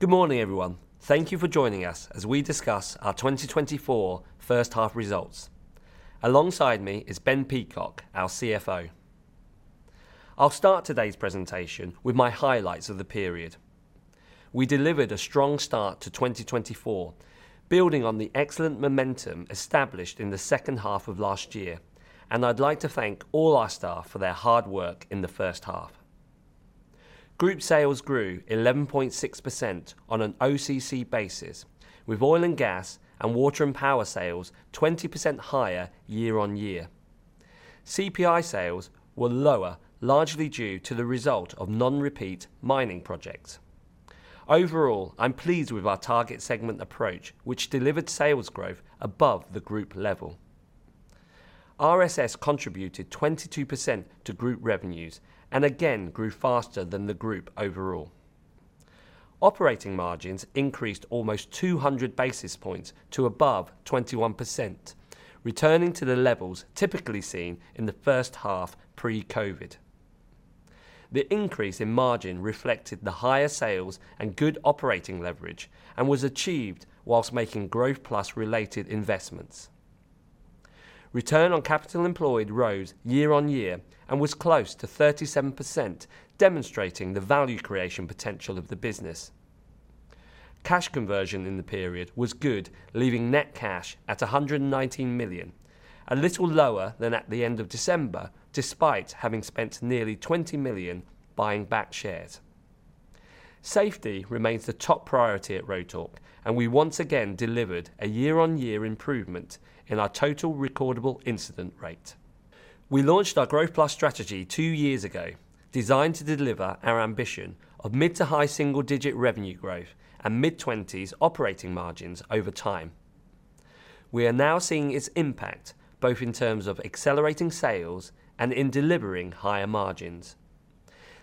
Good morning, everyone. Thank you for joining us as we discuss our 2024 first half results. Alongside me is Ben Peacock, our CFO. I'll start today's presentation with my highlights of the period. We delivered a strong start to 2024, building on the excellent momentum established in the second half of last year, and I'd like to thank all our staff for their hard work in the first half. Group sales grew 11.6% on an OCC basis, with oil and gas and water and power sales 20% higher year-on-year. CPI sales were lower, largely due to the result of non-repeat mining projects. Overall, I'm pleased with our target segment approach, which delivered sales growth above the group level. RSS contributed 22% to group revenues and again grew faster than the group overall. Operating margins increased almost 200 basis points to above 21%, returning to the levels typically seen in the first half pre-COVID. The increase in margin reflected the higher sales and good operating leverage and was achieved while making Growth+ related investments. Return on capital employed rose year-on-year and was close to 37%, demonstrating the value creation potential of the business. Cash conversion in the period was good, leaving net cash at 119 million, a little lower than at the end of December, despite having spent nearly 20 million buying back shares. Safety remains the top priority at Rotork, and we once again delivered a year-on-year improvement in our total recordable incident rate. We launched our Growth+ strategy 2 years ago, designed to deliver our ambition of mid- to high single-digit revenue growth and mid-20s operating margins over time. We are now seeing its impact, both in terms of accelerating sales and in delivering higher margins.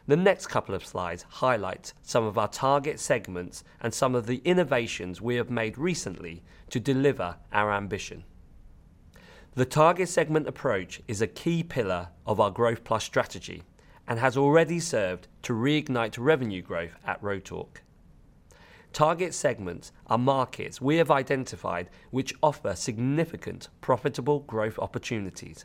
The next couple of slides highlight some of our target segments and some of the innovations we have made recently to deliver our ambition. The target segment approach is a key pillar of our Growth+ strategy and has already served to reignite revenue growth at Rotork. Target segments are markets we have identified which offer significant profitable growth opportunities.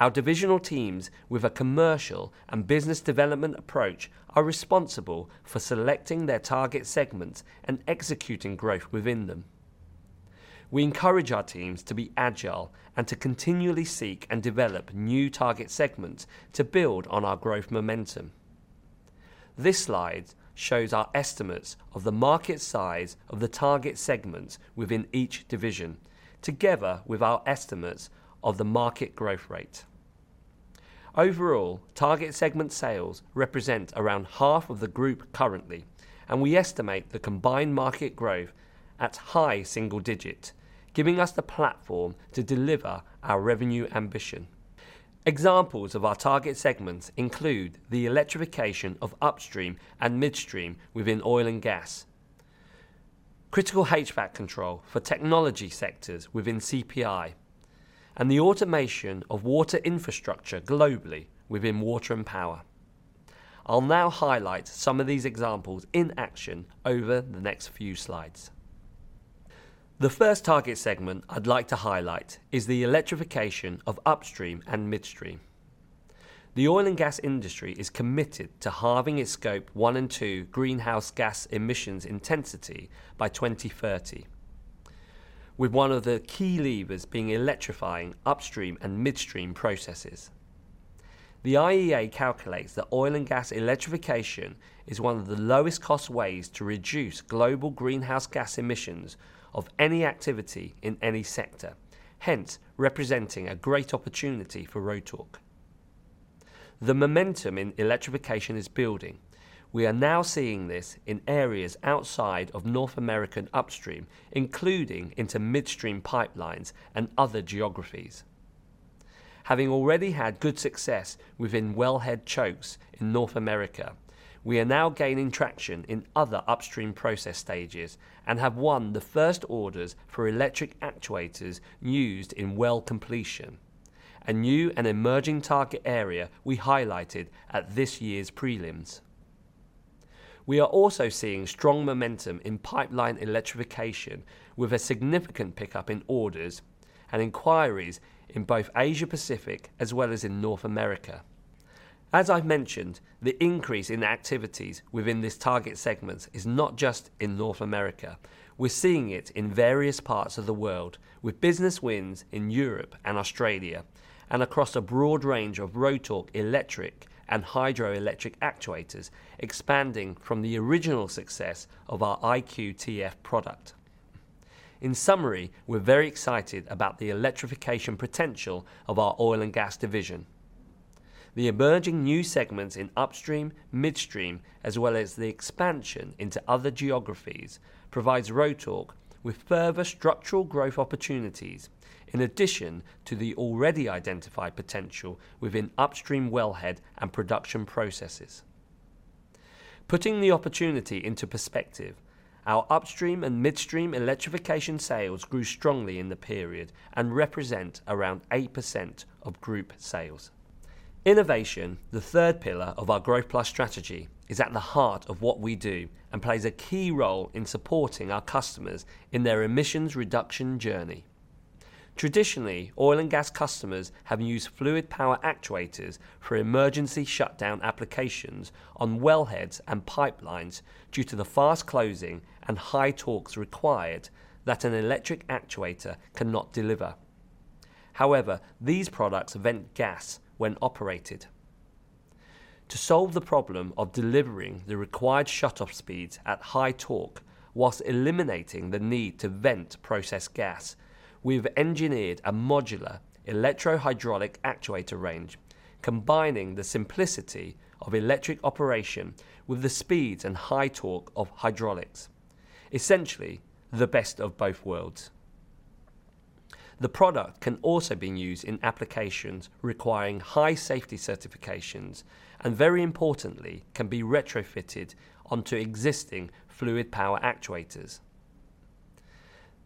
Our divisional teams, with a commercial and business development approach, are responsible for selecting their target segments and executing growth within them. We encourage our teams to be agile and to continually seek and develop new target segments to build on our growth momentum. This slide shows our estimates of the market size of the target segments within each division, together with our estimates of the market growth rate. Overall, target segment sales represent around half of the group currently, and we estimate the combined market growth at high single-digit, giving us the platform to deliver our revenue ambition. Examples of our target segments include the electrification of Upstream and Midstream within oil and gas, Critical HVAC control for technology sectors within CPI, and the automation of water infrastructure globally within Water and Power. I'll now highlight some of these examples in action over the next few slides. The first target segment I'd like to highlight is the electrification of Upstream and Midstream. The oil and gas industry is committed to halving its Scope 1 and 2 greenhouse gas emissions intensity by 2030, with one of the key levers being electrifying Upstream and Midstream processes. The IEA calculates that oil and gas electrification is one of the lowest cost ways to reduce global greenhouse gas emissions of any activity in any sector, hence representing a great opportunity for Rotork. The momentum in electrification is building. We are now seeing this in areas outside of North American upstream, including into midstream pipelines and other geographies. Having already had good success within wellhead chokes in North America, we are now gaining traction in other upstream process stages and have won the first orders for electric actuators used in well completion, a new and emerging target area we highlighted at this year's prelims. We are also seeing strong momentum in pipeline electrification, with a significant pickup in orders and inquiries in both Asia Pacific as well as in North America. As I've mentioned, the increase in activities within this target segment is not just in North America. We're seeing it in various parts of the world with business wins in Europe and Australia and across a broad range of Rotork electric and electro-hydraulic actuators, expanding from the original success of our IQTF product. In summary, we're very excited about the electrification potential of our oil and gas division. The emerging new segments in upstream, midstream, as well as the expansion into other geographies, provides Rotork with further structural growth opportunities in addition to the already identified potential within upstream wellhead and production processes. Putting the opportunity into perspective, our upstream and midstream electrification sales grew strongly in the period and represent around 8% of group sales. Innovation, the third pillar of our Growth+ strategy, is at the heart of what we do and plays a key role in supporting our customers in their emissions reduction journey.... Traditionally, oil and gas customers have used fluid power actuators for emergency shutdown applications on wellheads and pipelines due to the fast closing and high torques required that an electric actuator cannot deliver. However, these products vent gas when operated. To solve the problem of delivering the required shutoff speeds at high torque, while eliminating the need to vent processed gas, we've engineered a modular electro-hydraulic actuator range, combining the simplicity of electric operation with the speeds and high torque of hydraulics. Essentially, the best of both worlds. The product can also be used in applications requiring high safety certifications, and very importantly, can be retrofitted onto existing fluid power actuators.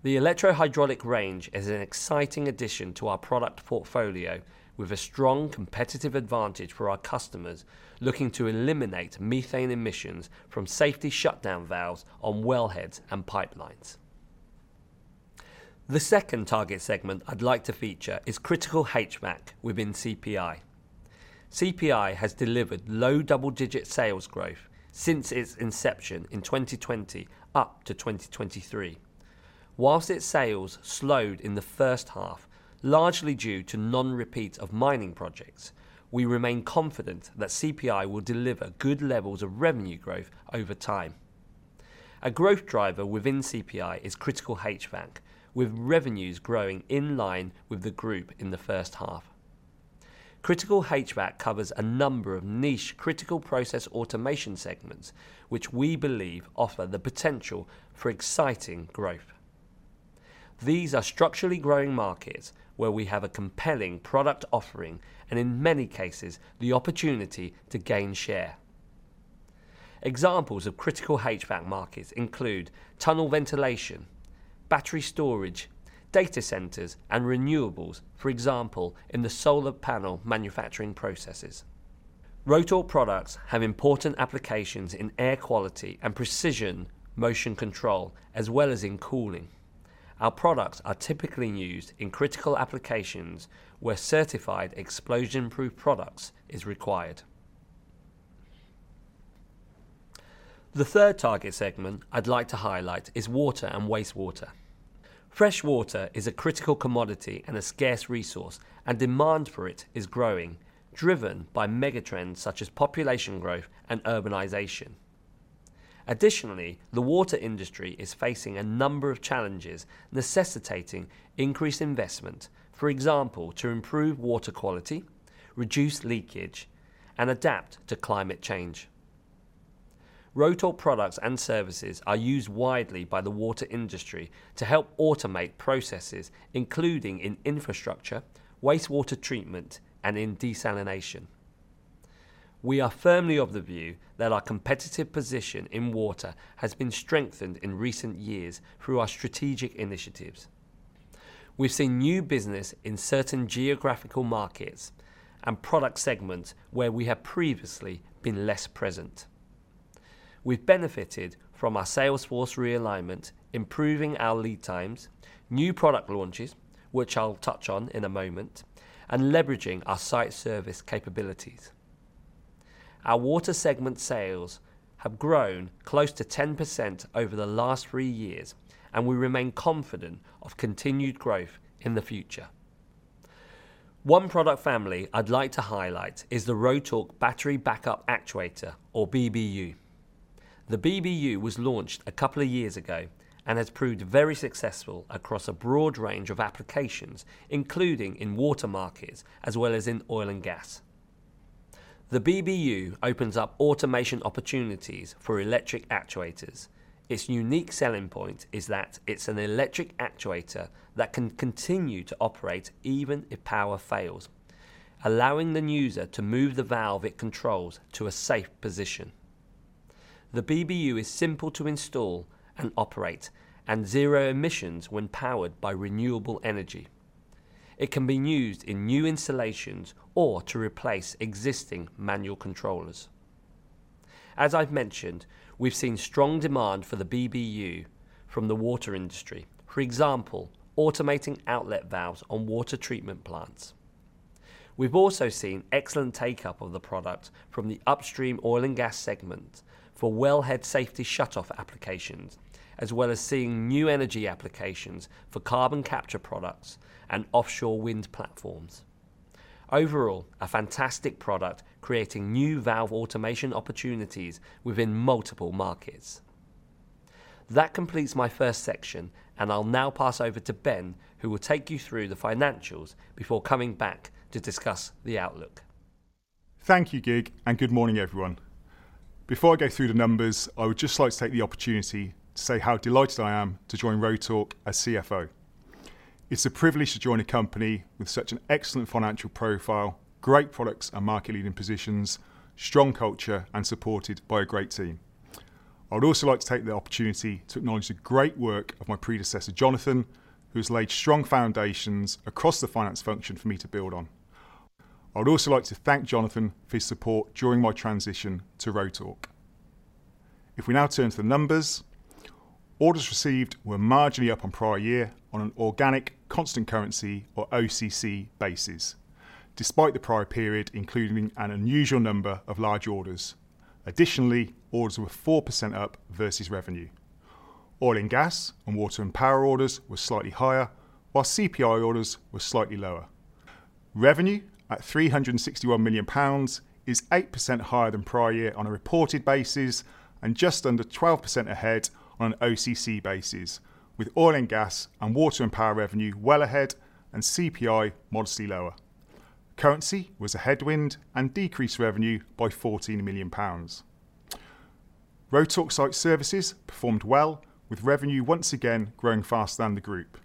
The electro-hydraulic range is an exciting addition to our product portfolio, with a strong competitive advantage for our customers looking to eliminate methane emissions from safety shutdown valves on wellheads and pipelines. The second target segment I'd like to feature is Critical HVAC within CPI. CPI has delivered low double-digit sales growth since its inception in 2020 up to 2023. Whilst its sales slowed in the first half, largely due to non-repeat of mining projects, we remain confident that CPI will deliver good levels of revenue growth over time. A growth driver within CPI is Critical HVAC, with revenues growing in line with the group in the first half. Critical HVAC covers a number of niche critical process automation segments, which we believe offer the potential for exciting growth. These are structurally growing markets where we have a compelling product offering and, in many cases, the opportunity to gain share. Examples of Critical HVAC markets include tunnel ventilation, battery storage, data centers, and renewables, for example, in the solar panel manufacturing processes. Rotork products have important applications in air quality and precision motion control, as well as in cooling. Our products are typically used in critical applications where certified explosion-proof products is required. The third target segment I'd like to highlight is water and wastewater. Fresh water is a critical commodity and a scarce resource, and demand for it is growing, driven by megatrends such as population growth and urbanization. Additionally, the water industry is facing a number of challenges, necessitating increased investment, for example, to improve water quality, reduce leakage, and adapt to climate change. Rotork products and services are used widely by the water industry to help automate processes, including in infrastructure, wastewater treatment, and in desalination. We are firmly of the view that our competitive position in water has been strengthened in recent years through our strategic initiatives. We've seen new business in certain geographical markets and product segments where we have previously been less present. We've benefited from our sales force realignment, improving our lead times, new product launches, which I'll touch on in a moment, and leveraging our Site Services capabilities. Our water segment sales have grown close to 10% over the last 3 years, and we remain confident of continued growth in the future. One product family I'd like to highlight is the Rotork Battery Backup Actuator, or BBU. The BBU was launched a couple of years ago and has proved very successful across a broad range of applications, including in water markets as well as in oil and gas. The BBU opens up automation opportunities for electric actuators. Its unique selling point is that it's an electric actuator that can continue to operate even if power fails, allowing the user to move the valve it controls to a safe position. The BBU is simple to install and operate, and zero emissions when powered by renewable energy. It can be used in new installations or to replace existing manual controllers. As I've mentioned, we've seen strong demand for the BBU from the water industry. For example, automating outlet valves on water treatment plants. We've also seen excellent take-up of the product from the upstream oil and gas segment for wellhead safety shutoff applications, as well as seeing new energy applications for carbon capture products and offshore wind platforms. Overall, a fantastic product, creating new valve automation opportunities within multiple markets. That completes my first section, and I'll now pass over to Ben, who will take you through the financials before coming back to discuss the outlook. Thank you, Kiet, and good morning, everyone. Before I go through the numbers, I would just like to take the opportunity to say how delighted I am to join Rotork as CFO. It's a privilege to join a company with such an excellent financial profile, great products and market-leading positions, strong culture, and supported by a great team. I would also like to take the opportunity to acknowledge the great work of my predecessor, Jonathan, who's laid strong foundations across the finance function for me to build on. I would also like to thank Jonathan for his support during my transition to Rotork. If we now turn to the numbers, orders received were marginally up on prior year on an organic constant currency, or OCC, basis, despite the prior period including an unusual number of large orders. Additionally, orders were 4% up versus revenue. Oil and gas and water and power orders were slightly higher, while CPI orders were slightly lower. Revenue, at 361 million pounds, is 8% higher than prior year on a reported basis, and just under 12% ahead on an OCC basis, with oil and gas and water and power revenue well ahead and CPI modestly lower. Currency was a headwind and decreased revenue by 14 million pounds. Rotork Site Services performed well, with revenue once again growing faster than the group,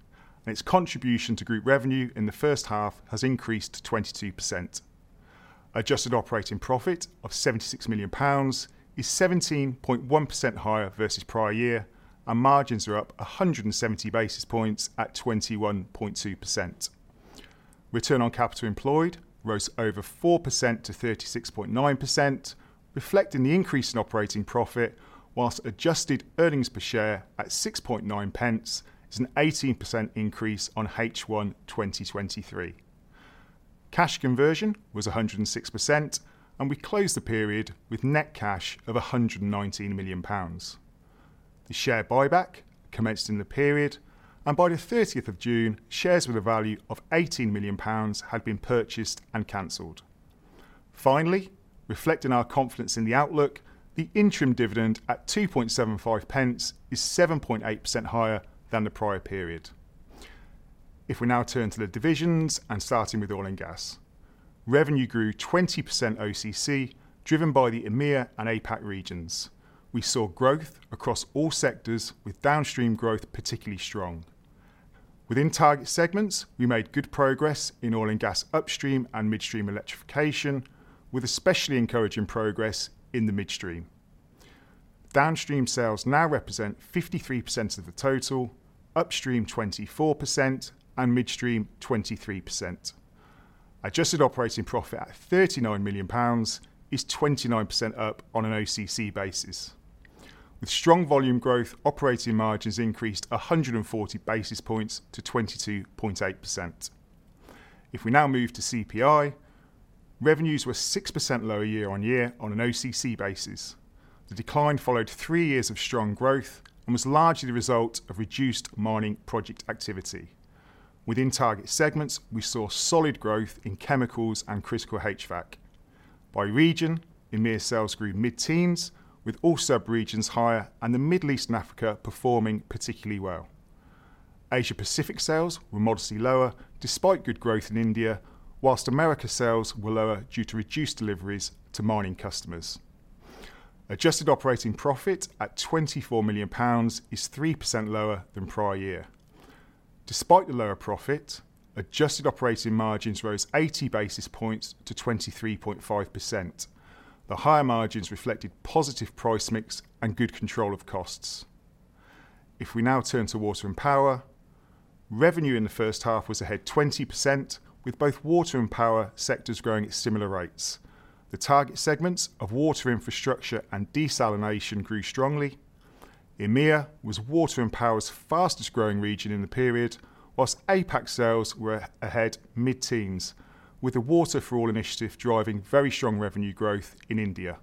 and its contribution to group revenue in the first half has increased to 22%. Adjusted operating profit of 76 million pounds is 17.1% higher versus prior year, and margins are up 170 basis points at 21.2%. Return on capital employed rose over 4% to 36.9%, reflecting the increase in operating profit, whilst adjusted earnings per share at 6.9 pence is an 18% increase on H1 2023. Cash conversion was 106%, and we closed the period with net cash of 119 million pounds. The share buyback commenced in the period, and by the 30th of June, shares with a value of 18 million pounds had been purchased and canceled. Finally, reflecting our confidence in the outlook, the interim dividend at 2.75 pence is 7.8% higher than the prior period. If we now turn to the divisions, and starting with oil and gas: Revenue grew 20% OCC, driven by the EMEA and APAC regions. We saw growth across all sectors, with downstream growth particularly strong. Within target segments, we made good progress in oil and gas upstream and midstream electrification, with especially encouraging progress in the midstream. Downstream sales now represent 53% of the total, upstream 24%, and midstream 23%. Adjusted operating profit at 39 million pounds is 29% up on an OCC basis. With strong volume growth, operating margins increased 140 basis points to 22.8%. If we now move to CPI, revenues were 6% lower year on year on an OCC basis. The decline followed 3 years of strong growth and was largely the result of reduced mining project activity. Within target segments, we saw solid growth in chemicals and critical HVAC. By region, EMEA sales grew mid-teens, with all sub-regions higher and the Middle East and Africa performing particularly well. Asia Pacific sales were modestly lower, despite good growth in India, while America sales were lower due to reduced deliveries to mining customers. Adjusted operating profit at 24 million pounds is 3% lower than prior year. Despite the lower profit, adjusted operating margins rose 80 basis points to 23.5%. The higher margins reflected positive price mix and good control of costs. If we now turn to water and power, revenue in the first half was ahead 20%, with both water and power sectors growing at similar rates. The target segments of water infrastructure and desalination grew strongly. EMEA was water and power's fastest growing region in the period, while APAC sales were ahead mid-teens, with the Water For All initiative driving very strong revenue growth in India.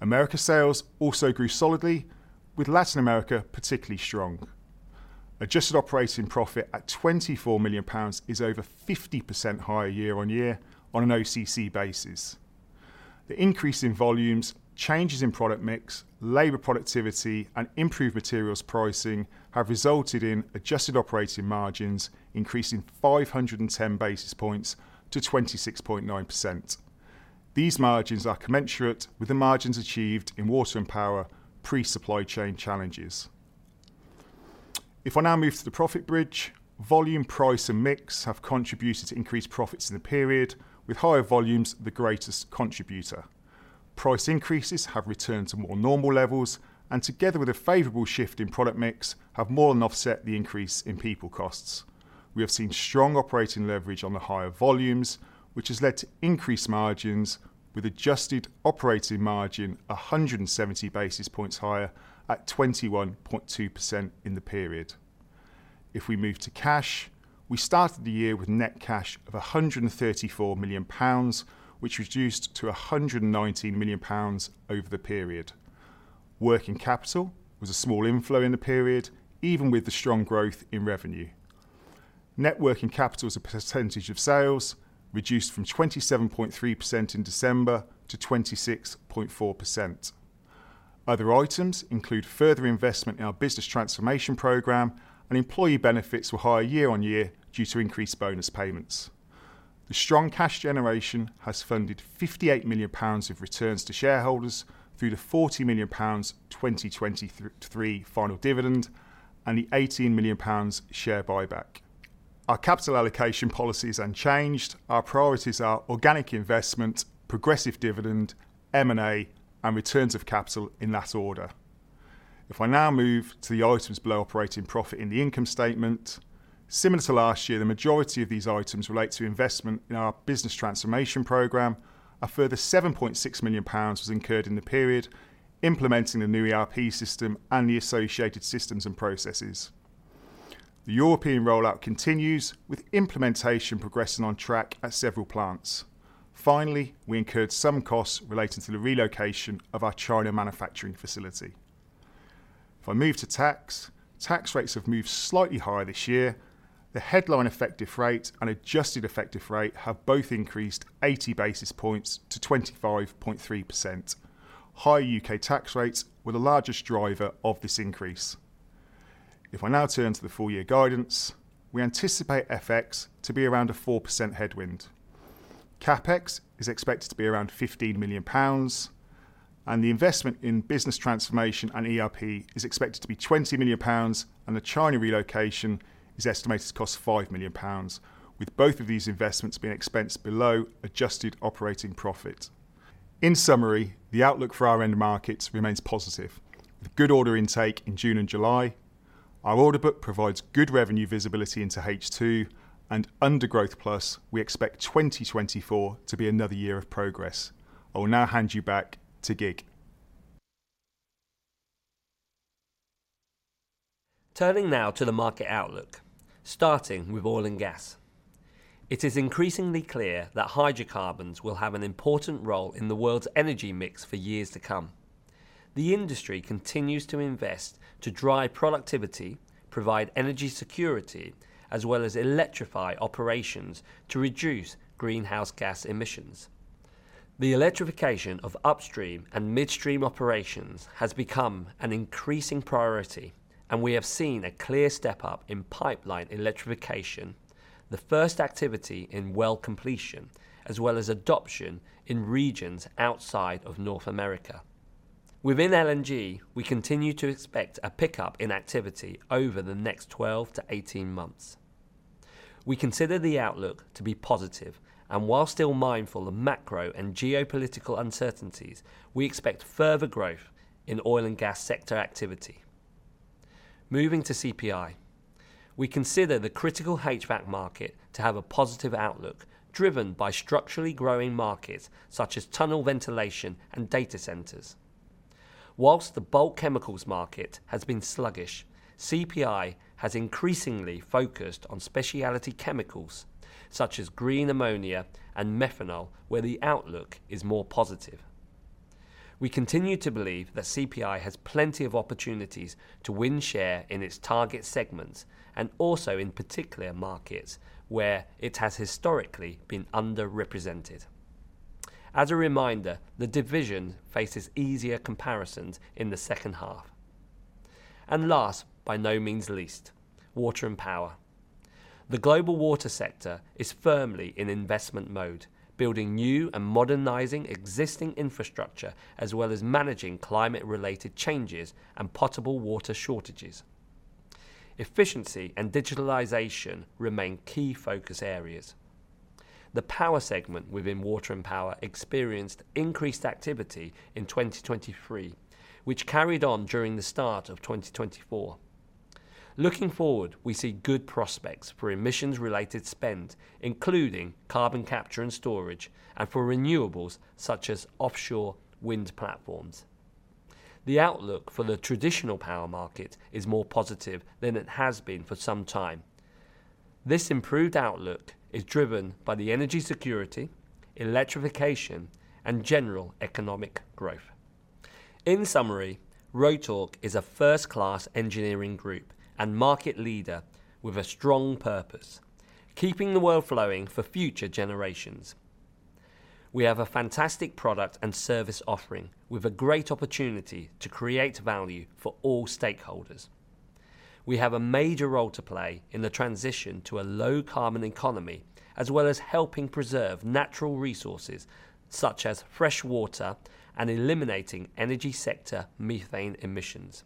America sales also grew solidly, with Latin America particularly strong. Adjusted operating profit at 24 million pounds is over 50% higher year-on-year on an OCC basis. The increase in volumes, changes in product mix, labor productivity, and improved materials pricing have resulted in adjusted operating margins increasing 510 basis points to 26.9%. These margins are commensurate with the margins achieved in Water and Power pre-supply chain challenges. If I now move to the profit bridge, volume, price, and mix have contributed to increased profits in the period, with higher volumes the greatest contributor. Price increases have returned to more normal levels, and together with a favorable shift in product mix, have more than offset the increase in people costs. We have seen strong operating leverage on the higher volumes, which has led to increased margins, with adjusted operating margin 170 basis points higher at 21.2% in the period. If we move to cash, we started the year with net cash of 134 million pounds, which reduced to 119 million pounds over the period. Working capital was a small inflow in the period, even with the strong growth in revenue. Net working capital as a percentage of sales reduced from 27.3% in December to 26.4%. Other items include further investment in our business transformation program, and employee benefits were higher year on year due to increased bonus payments. The strong cash generation has funded 58 million pounds of returns to shareholders through the 40 million pounds 2023 final dividend and the 18 million pounds share buyback. Our capital allocation policy is unchanged. Our priorities are organic investment, progressive dividend, M&A, and returns of capital in that order... If I now move to the items below operating profit in the income statement, similar to last year, the majority of these items relate to investment in our business transformation program. A further 7.6 million pounds was incurred in the period, implementing the new ERP system and the associated systems and processes. The European rollout continues, with implementation progressing on track at several plants. Finally, we incurred some costs relating to the relocation of our China manufacturing facility. If I move to tax, tax rates have moved slightly higher this year. The headline effective rate and adjusted effective rate have both increased 80 basis points to 25.3%. Higher UK tax rates were the largest driver of this increase. If I now turn to the full year guidance, we anticipate FX to be around a 4% headwind. CapEx is expected to be around 15 million pounds, and the investment in business transformation and ERP is expected to be 20 million pounds, and the China relocation is estimated to cost 5 million pounds, with both of these investments being expensed below adjusted operating profit. In summary, the outlook for our end markets remains positive. With good order intake in June and July, our order book provides good revenue visibility into H2, and under Growth+, we expect 2024 to be another year of progress. I will now hand you back to Kiet. Turning now to the market outlook, starting with oil and gas. It is increasingly clear that hydrocarbons will have an important role in the world's energy mix for years to come. The industry continues to invest to drive productivity, provide energy security, as well as electrify operations to reduce greenhouse gas emissions. The electrification of upstream and midstream operations has become an increasing priority, and we have seen a clear step up in pipeline electrification, the first activity in well completion, as well as adoption in regions outside of North America. Within LNG, we continue to expect a pickup in activity over the next 12-18 months. We consider the outlook to be positive, and while still mindful of macro and geopolitical uncertainties, we expect further growth in oil and gas sector activity. Moving to CPI, we consider the critical HVAC market to have a positive outlook, driven by structurally growing markets such as tunnel ventilation and data centers. While the bulk chemicals market has been sluggish, CPI has increasingly focused on specialty chemicals such as green ammonia and methanol, where the outlook is more positive. We continue to believe that CPI has plenty of opportunities to win share in its target segments and also in particular markets where it has historically been underrepresented. As a reminder, the division faces easier comparisons in the second half. Last, by no means least, Water and Power. The global water sector is firmly in investment mode, building new and modernizing existing infrastructure, as well as managing climate-related changes and potable water shortages. Efficiency and digitalization remain key focus areas. The power segment within Water and Power experienced increased activity in 2023, which carried on during the start of 2024. Looking forward, we see good prospects for emissions-related spend, including Carbon Capture and Storage, and for renewables such as offshore wind platforms. The outlook for the traditional power market is more positive than it has been for some time. This improved outlook is driven by the energy security, Electrification, and general economic growth. In summary, Rotork is a first-class engineering group and market leader with a strong purpose: keeping the world flowing for future generations. We have a fantastic product and service offering, with a great opportunity to create value for all stakeholders. We have a major role to play in the transition to a low carbon economy, as well as helping preserve natural resources such as fresh water and eliminating energy sector methane emissions.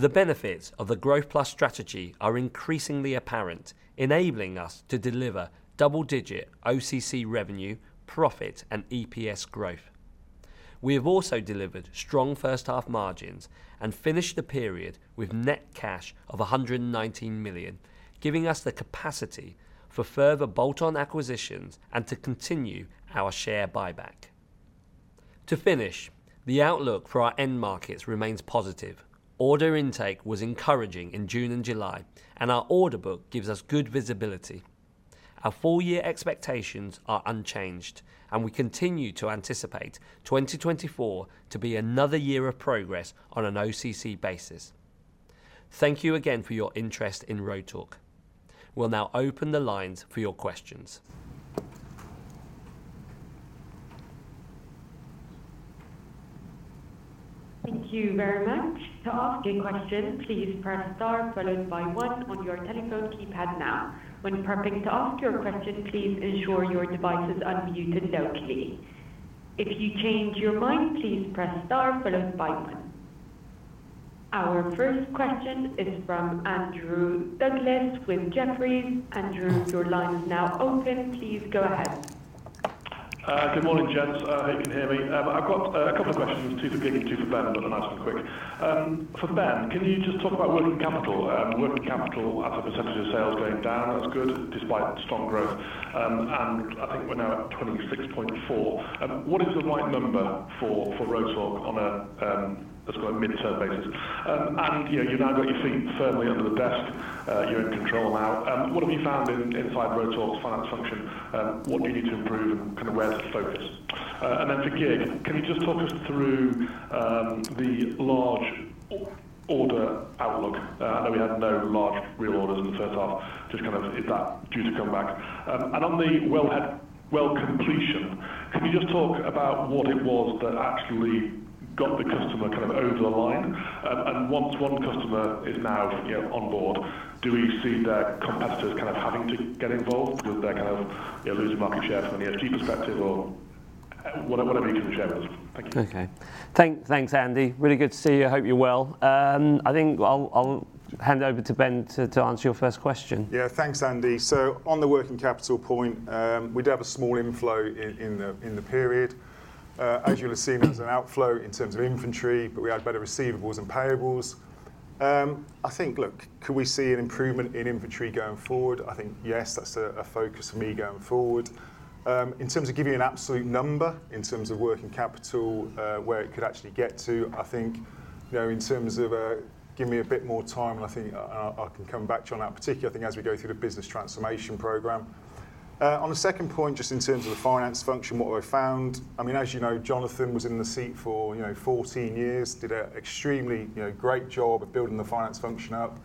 The benefits of the Growth+ strategy are increasingly apparent, enabling us to deliver double-digit OCC revenue, profit, and EPS growth. We have also delivered strong first half margins and finished the period with net cash of 119 million, giving us the capacity for further bolt-on acquisitions and to continue our share buyback. To finish, the outlook for our end markets remains positive. Order intake was encouraging in June and July, and our order book gives us good visibility. Our full year expectations are unchanged, and we continue to anticipate 2024 to be another year of progress on an OCC basis. Thank you again for your interest in Rotork. We'll now open the lines for your questions. Thank you very much. To ask a question, please press star followed by one on your telephone keypad now. When prepping to ask your question, please ensure your device is unmuted locally. If you change your mind, please press star followed by one. Our first question is from Andrew Douglas with Jefferies. Andrew, your line is now open. Please go ahead. ... good morning, gents. I hope you can hear me. I've got a couple of questions, two for Kiet, two for Ben, but they're nice and quick. For Ben, can you just talk about working capital? Working capital as a percentage of sales going down, that's good, despite strong growth. And I think we're now at 26.4%. What is the right number for Rotork on a, let's call it midterm basis? And, you know, you've now got your feet firmly under the desk, you're in control now. What have you found inside Rotork's finance function? What do you need to improve, and kind of where to focus? And then for Kiet, can you just talk us through the large order outlook? I know we had no large real orders in the first half. Just kind of, is that due to come back? And on the wellhead well completion, can you just talk about what it was that actually got the customer kind of over the line? And once one customer is now, you know, on board, do we see their competitors kind of having to get involved because they're kind of, you know, losing market share from an ESP perspective or what, what are you going to share with us? Thank you. Okay. Thanks, Andy. Really good to see you. I hope you're well. I think I'll hand over to Ben to answer your first question. Yeah, thanks, Andy. So on the working capital point, we do have a small inflow in the period. As you'll have seen, there's an outflow in terms of inventory, but we had better receivables and payables. I think, look, could we see an improvement in inventory going forward? I think, yes, that's a focus for me going forward. In terms of giving you an absolute number, in terms of working capital, where it could actually get to, I think, you know, in terms of, give me a bit more time, and I think I can come back to you on that particular thing as we go through the business transformation program. On the second point, just in terms of the finance function, what we found, I mean, as you know, Jonathan was in the seat for, you know, 14 years, did an extremely, you know, great job of building the finance function up.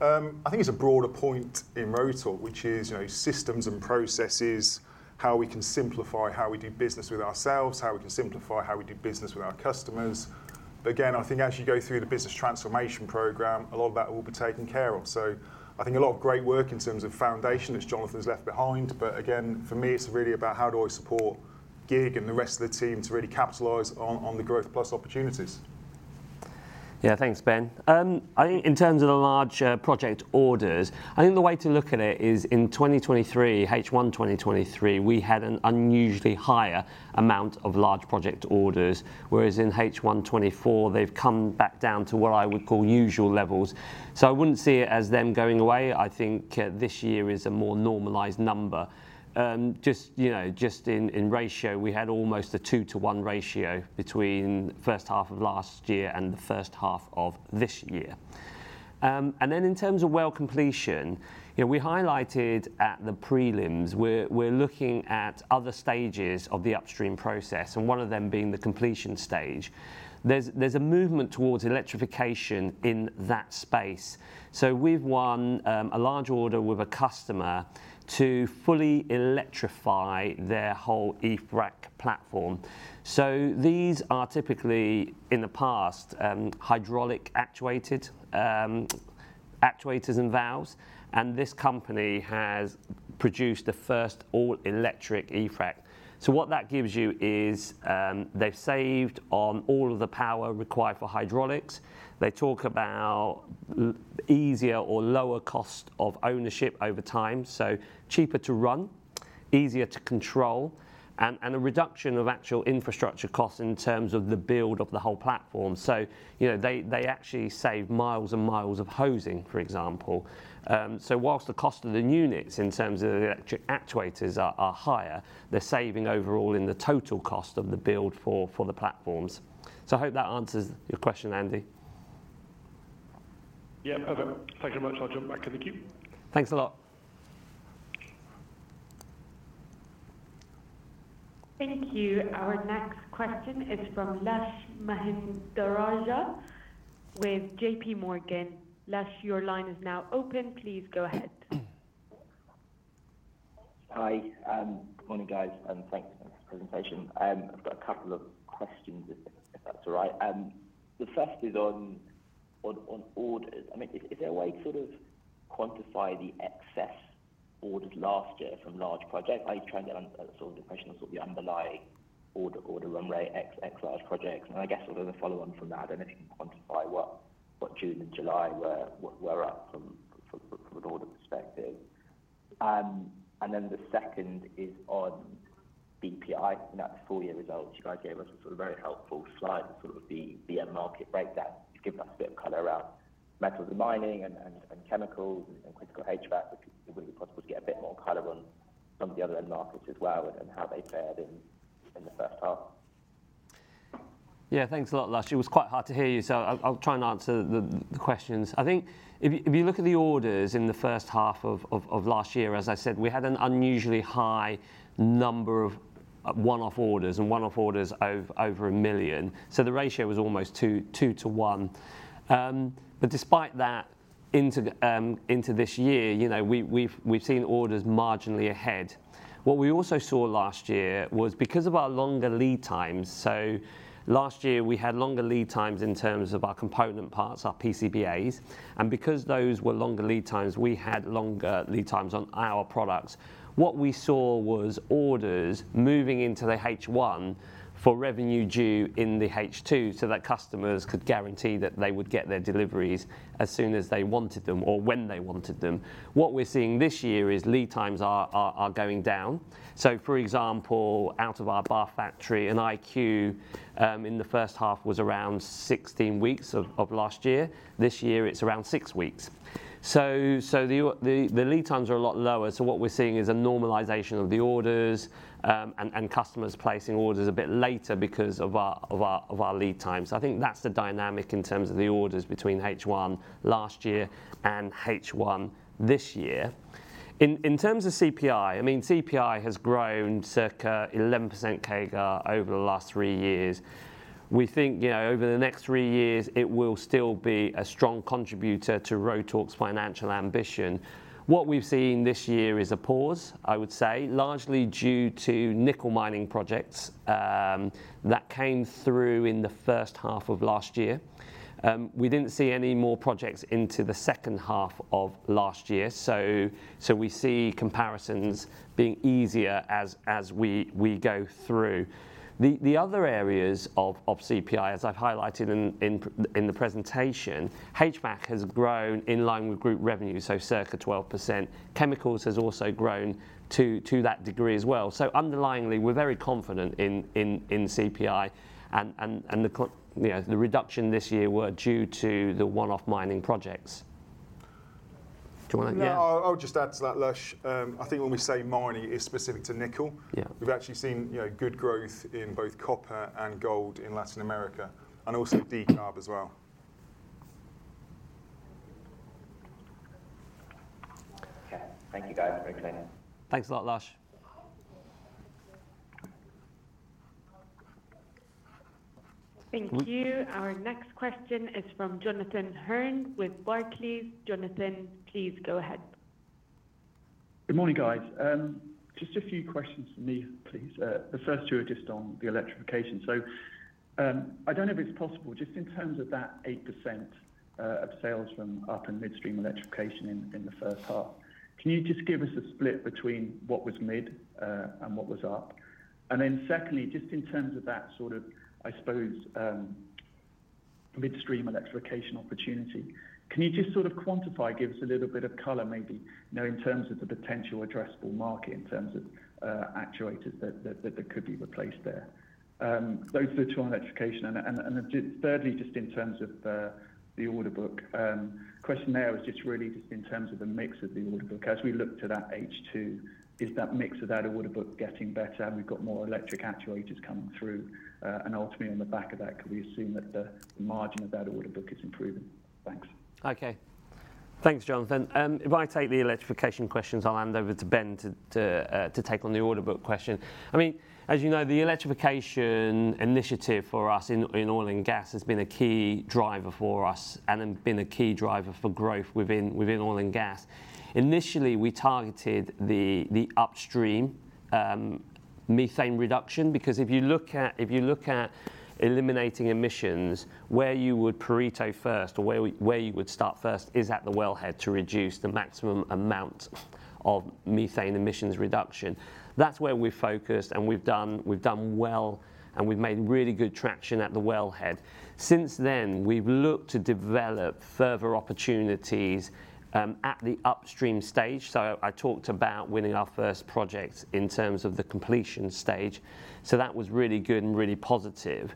I think it's a broader point in Rotork, which is, you know, systems and processes, how we can simplify how we do business with ourselves, how we can simplify how we do business with our customers. But again, I think as you go through the business transformation program, a lot of that will be taken care of. So I think a lot of great work in terms of foundation that Jonathan's left behind. But again, for me, it's really about how do I support Kiet and the rest of the team to really capitalize on, on the Growth+ opportunities. Yeah. Thanks, Ben. I think in terms of the large project orders, I think the way to look at it is in 2023, H1 2023, we had an unusually higher amount of large project orders, whereas in H1 2024, they've come back down to what I would call usual levels. So I wouldn't see it as them going away. I think this year is a more normalized number. Just, you know, just in ratio, we had almost a 2-to-1 ratio between first half of last year and the first half of this year. Then in terms of well completion, you know, we highlighted at the prelims, we're looking at other stages of the upstream process, and one of them being the completion stage. There's a movement towards electrification in that space. So we've won a large order with a customer to fully electrify their whole e-frac platform. So these are typically, in the past, hydraulic actuated actuators and valves, and this company has produced the first all-electric e-frac. So what that gives you is, they've saved on all of the power required for hydraulics. They talk about easier or lower cost of ownership over time, so cheaper to run, easier to control, and, and a reduction of actual infrastructure costs in terms of the build of the whole platform. So you know, they, they actually save miles and miles of hosing, for example. So whilst the cost of the units in terms of the electric actuators are, are higher, they're saving overall in the total cost of the build for, for the platforms. So I hope that answers your question, Andy. Yeah, perfect. Thank you very much. I'll jump back to the queue. Thanks a lot. Thank you. Our next question is from Lushanthan Mahendrarajah with JP Morgan. Lush, your line is now open. Please go ahead. Hi. Good morning, guys, and thanks for the presentation. I've got a couple of questions if that's all right. The first is on orders. I mean, is there a way to sort of quantify the excess orders last year from large projects? I try and get on sort of the question of sort of the underlying order order runway ex-large projects, and I guess sort of a follow on from that. I don't know if you can quantify what June and July were at from an order perspective. And then the second is on CPI, and at the full year results, you guys gave us a sort of very helpful slide of sort of the end market breakdown. Just give us a bit of color around metals and mining and chemicals and critical HVAC. Would it be possible to get a bit more color on some of the other end markets as well and how they fared in the first half? Yeah, thanks a lot, Lush. It was quite hard to hear you, so I'll try and answer the questions. I think if you look at the orders in the first half of last year, as I said, we had an unusually high number of one-off orders, and one-off orders over 1 million. So the ratio was almost 2 to 1. But despite that, into this year, you know, we've seen orders marginally ahead. What we also saw last year was because of our longer lead times, so last year we had longer lead times in terms of our component parts, our PCBAs, and because those were longer lead times, we had longer lead times on our products. What we saw was orders moving into the H1 for revenue due in the H2 so that customers could guarantee that they would get their deliveries as soon as they wanted them or when they wanted them. What we're seeing this year is lead times are going down. So for example, out of our Bath factory, an IQ in the first half was around 16 weeks of last year. This year it's around 6 weeks. So the lead times are a lot lower, so what we're seeing is a normalization of the orders, and customers placing orders a bit later because of our lead times. I think that's the dynamic in terms of the orders between H1 last year and H1 this year. In terms of CPI, I mean, CPI has grown circa 11% CAGR over the last three years. We think, you know, over the next three years, it will still be a strong contributor to Rotork's financial ambition. What we've seen this year is a pause, I would say, largely due to nickel mining projects that came through in the first half of last year. We didn't see any more projects into the second half of last year, so we see comparisons being easier as we go through. The other areas of CPI, as I've highlighted in the presentation, HVAC has grown in line with group revenue, so circa 12%. Chemicals has also grown to that degree as well. So underlyingly, we're very confident in CPI and the cl... You know, the reduction this year were due to the one-off mining projects. Do you wanna- Yeah, I'll just add to that, Lash. I think when we say mining, it's specific to nickel. Yeah. We've actually seen, you know, good growth in both copper and gold in Latin America, and also decarb as well. Okay. Thank you, guys. Very clear. Thanks a lot, Lush. Thank you. Our next question is from Jonathan Hearn with Barclays. Jonathan, please go ahead. Good morning, guys. Just a few questions from me, please. The first two are just on the electrification. So, I don't know if it's possible, just in terms of that 8% of sales from upstream and midstream electrification in the first half, can you just give us a split between what was midstream and what was upstream? And then secondly, just in terms of that sort of, I suppose, midstream electrification opportunity, can you just sort of quantify, give us a little bit of color, maybe, you know, in terms of the potential addressable market, in terms of actuators that could be replaced there? Those are the two on electrification. Thirdly, just in terms of the order book, the question there is just really just in terms of the mix of the order book. As we look to that H2, is that mix of that order book getting better? Have we got more electric actuators coming through? And ultimately, on the back of that, can we assume that the margin of that order book is improving? Thanks. Okay. Thanks, Jonathan. If I take the electrification questions, I'll hand over to Ben to take on the order book question. I mean, as you know, the electrification initiative for us in oil and gas has been a key driver for us and has been a key driver for growth within oil and gas. Initially, we targeted the upstream methane reduction, because if you look at eliminating emissions, where you would Pareto first or where you would start first is at the wellhead to reduce the maximum amount of methane emissions reduction. That's where we're focused, and we've done well, and we've made really good traction at the wellhead. Since then, we've looked to develop further opportunities at the upstream stage. I talked about winning our first project in terms of the completion stage, so that was really good and really positive.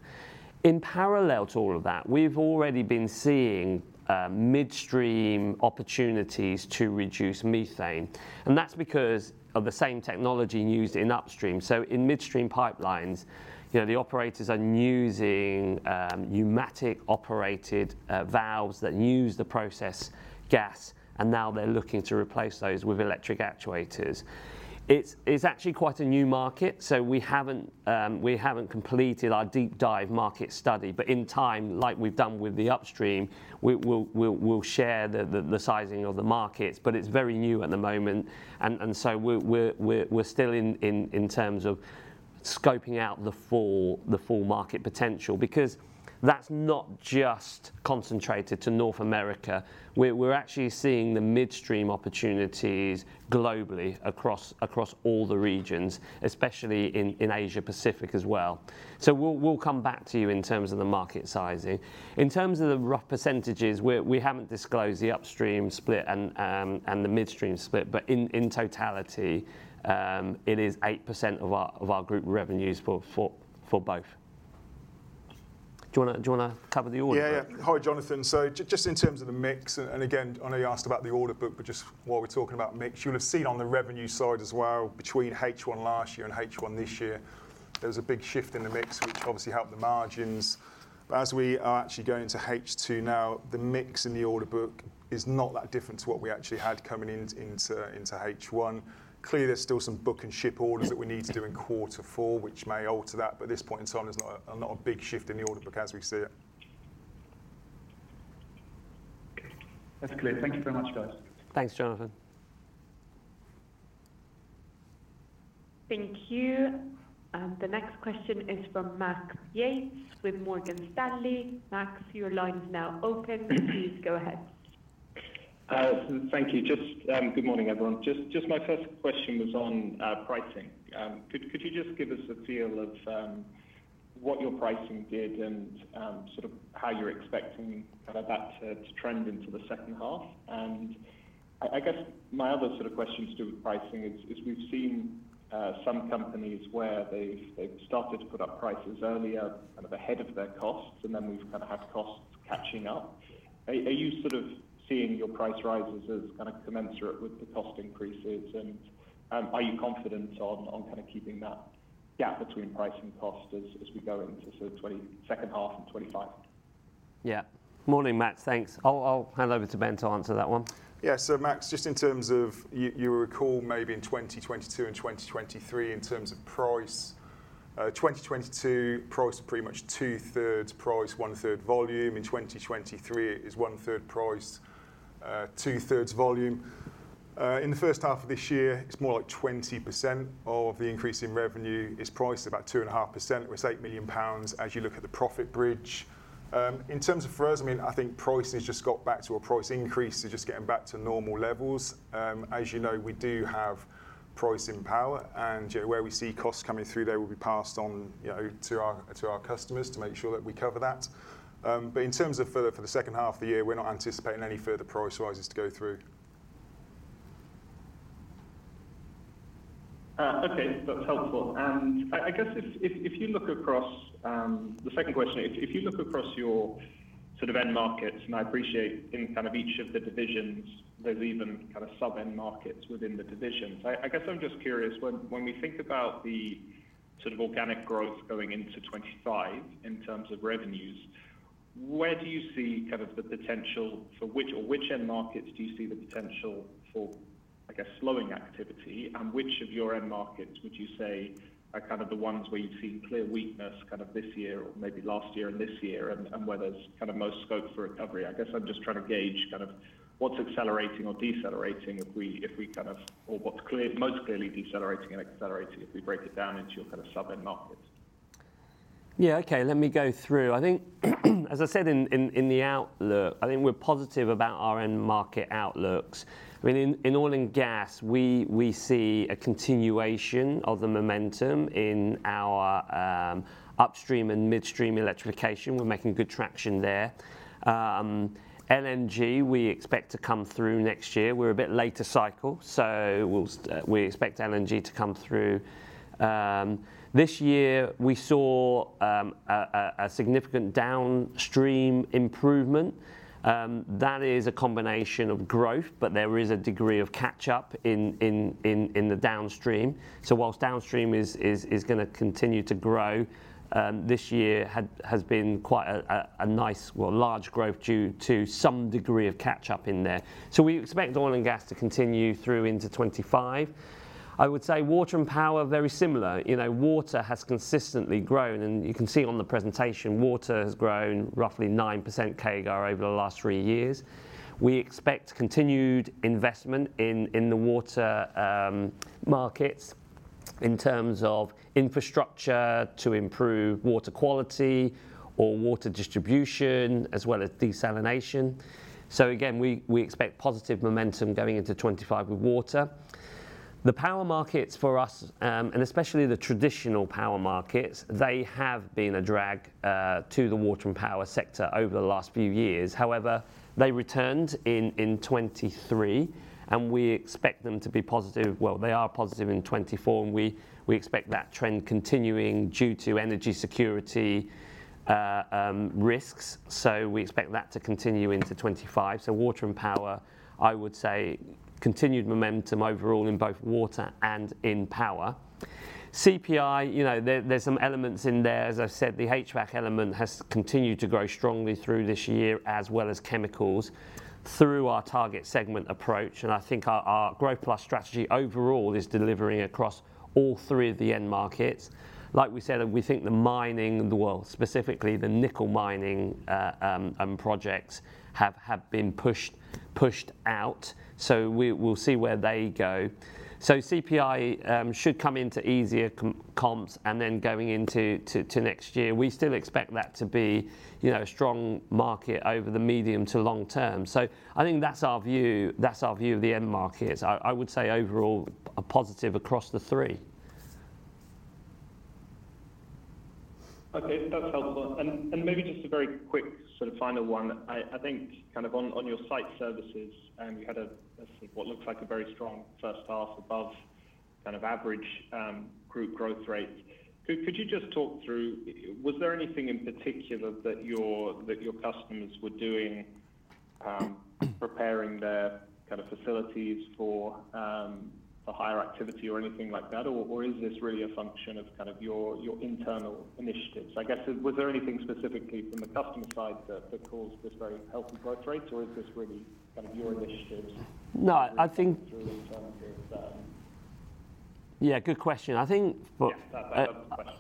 In parallel to all of that, we've already been seeing midstream opportunities to reduce methane, and that's because of the same technology used in upstream. In midstream pipelines, you know, the operators are using pneumatic-operated valves that use the process gas, and now they're looking to replace those with electric actuators. It's, it's actually quite a new market, so we haven't completed our deep dive market study, but in time, like we've done with the upstream, we'll share the sizing of the markets, but it's very new at the moment, and so we're still in terms of scoping out the full market potential, because that's not just concentrated to North America. We're actually seeing the midstream opportunities globally across all the regions, especially in Asia Pacific as well. So we'll come back to you in terms of the market sizing. In terms of the rough percentages, we haven't disclosed the upstream split and the midstream split, but in totality, it is 8% of our group revenues for both. Do you wanna, do you wanna cover the order book? Yeah. Hi, Jonathan. So just in terms of the mix, and again, I know you asked about the order book, but just while we're talking about mix, you'll have seen on the revenue side as well, between H1 last year and H1 this year, there was a big shift in the mix, which obviously helped the margins. But as we are actually going into H2 now, the mix in the order book is not that different to what we actually had coming into H1. Clearly, there's still some book and ship orders that we need to do in quarter four, which may alter that, but at this point in time, there's not a big shift in the order book as we see it. Okay. That's clear. Thank you very much, guys. Thanks, Jonathan.... Thank you. The next question is from Max Yates with Morgan Stanley. Max, your line is now open. Please go ahead. Thank you. Just good morning, everyone. Just my first question was on pricing. Could you just give us a feel of what your pricing did and sort of how you're expecting kind of that to trend into the second half? And I guess my other sort of question to do with pricing is we've seen some companies where they've started to put up prices earlier, kind of ahead of their costs, and then we've kind of had costs catching up. Are you sort of seeing your price rises as kind of commensurate with the cost increases? And are you confident on kind of keeping that gap between price and cost as we go into sort of 2022 second half and 2025? Yeah. Morning, Max. Thanks. I'll, I'll hand over to Ben to answer that one. Yeah. So Max, just in terms of you, you will recall maybe in 2022 and 2023 in terms of price, 2022 price was pretty much 2/3 price, 1/3 volume. In 2023, it is 1/3 price, 2/3 volume. In the first half of this year, it's more like 20% of the increase in revenue is priced about 2.5%. It was 8 million pounds as you look at the profit bridge. In terms of for us, I mean, I think pricing has just got back to a price increase. It's just getting back to normal levels. As you know, we do have price and power, and where we see costs coming through there will be passed on, you know, to our, to our customers to make sure that we cover that. But in terms of for the second half of the year, we're not anticipating any further price rises to go through. Okay, that's helpful. And I guess if you look across your sort of end markets, and I appreciate in kind of each of the divisions, there's even kind of sub-end markets within the divisions. I guess I'm just curious, when we think about the sort of organic growth going into 2025 in terms of revenues, where do you see kind of the potential for which or which end markets do you see the potential for, I guess, slowing activity? And which of your end markets would you say are kind of the ones where you've seen clear weakness kind of this year or maybe last year and this year, and where there's kind of most scope for recovery? I guess I'm just trying to gauge kind of what's accelerating or decelerating if we kind of or what's clear, most clearly decelerating and accelerating if we break it down into your kind of sub-end markets. Yeah, okay, let me go through. I think, as I said in the outlook, I think we're positive about our end market outlooks. I mean, in oil and gas, we see a continuation of the momentum in our upstream and midstream electrification. We're making good traction there. LNG, we expect to come through next year. We're a bit later cycle, so we'll expect LNG to come through. This year, we saw a significant downstream improvement. That is a combination of growth, but there is a degree of catch-up in the downstream. So whilst downstream is gonna continue to grow, this year has been quite a nice, well, large growth due to some degree of catch-up in there. So we expect oil and gas to continue through into 25. I would say Water and Power, very similar. You know, water has consistently grown, and you can see on the presentation, water has grown roughly 9% CAGR over the last three years. We expect continued investment in the water markets in terms of infrastructure to improve water quality or water distribution, as well as desalination. So again, we expect positive momentum going into 2025 with water. The power markets for us, and especially the traditional power markets, they have been a drag to the Water and Power sector over the last few years. However, they returned in 2023, and we expect them to be positive. Well, they are positive in 2024, and we expect that trend continuing due to energy security risks. So we expect that to continue into 2025. So water and power, I would say, continued momentum overall in both water and in power. CPI, you know, there, there's some elements in there. As I've said, the HVAC element has continued to grow strongly through this year, as well as chemicals, through our target segment approach, and I think our Growth+ strategy overall is delivering across all three of the end markets. Like we said, we think the mining, well, specifically the nickel mining projects have been pushed out, so we'll see where they go. So CPI should come into easier comps, and then going into next year, we still expect that to be, you know, a strong market over the medium to long term. So I think that's our view, that's our view of the end markets. I would say overall, a positive across the three. Okay, that's helpful. And maybe just a very quick sort of final one. I think kind of on your site services, you had sort of what looks like a very strong first half above kind of average group growth rate. Could you just talk through, was there anything in particular that your customers were doing preparing their kind of facilities for higher activity or anything like that? Or is this really a function of kind of your internal initiatives? I guess, was there anything specifically from the customer side that caused this very healthy growth rate, or is this really kind of your initiatives? No, I think-... Yeah, good question. I think- Yeah, that's the question....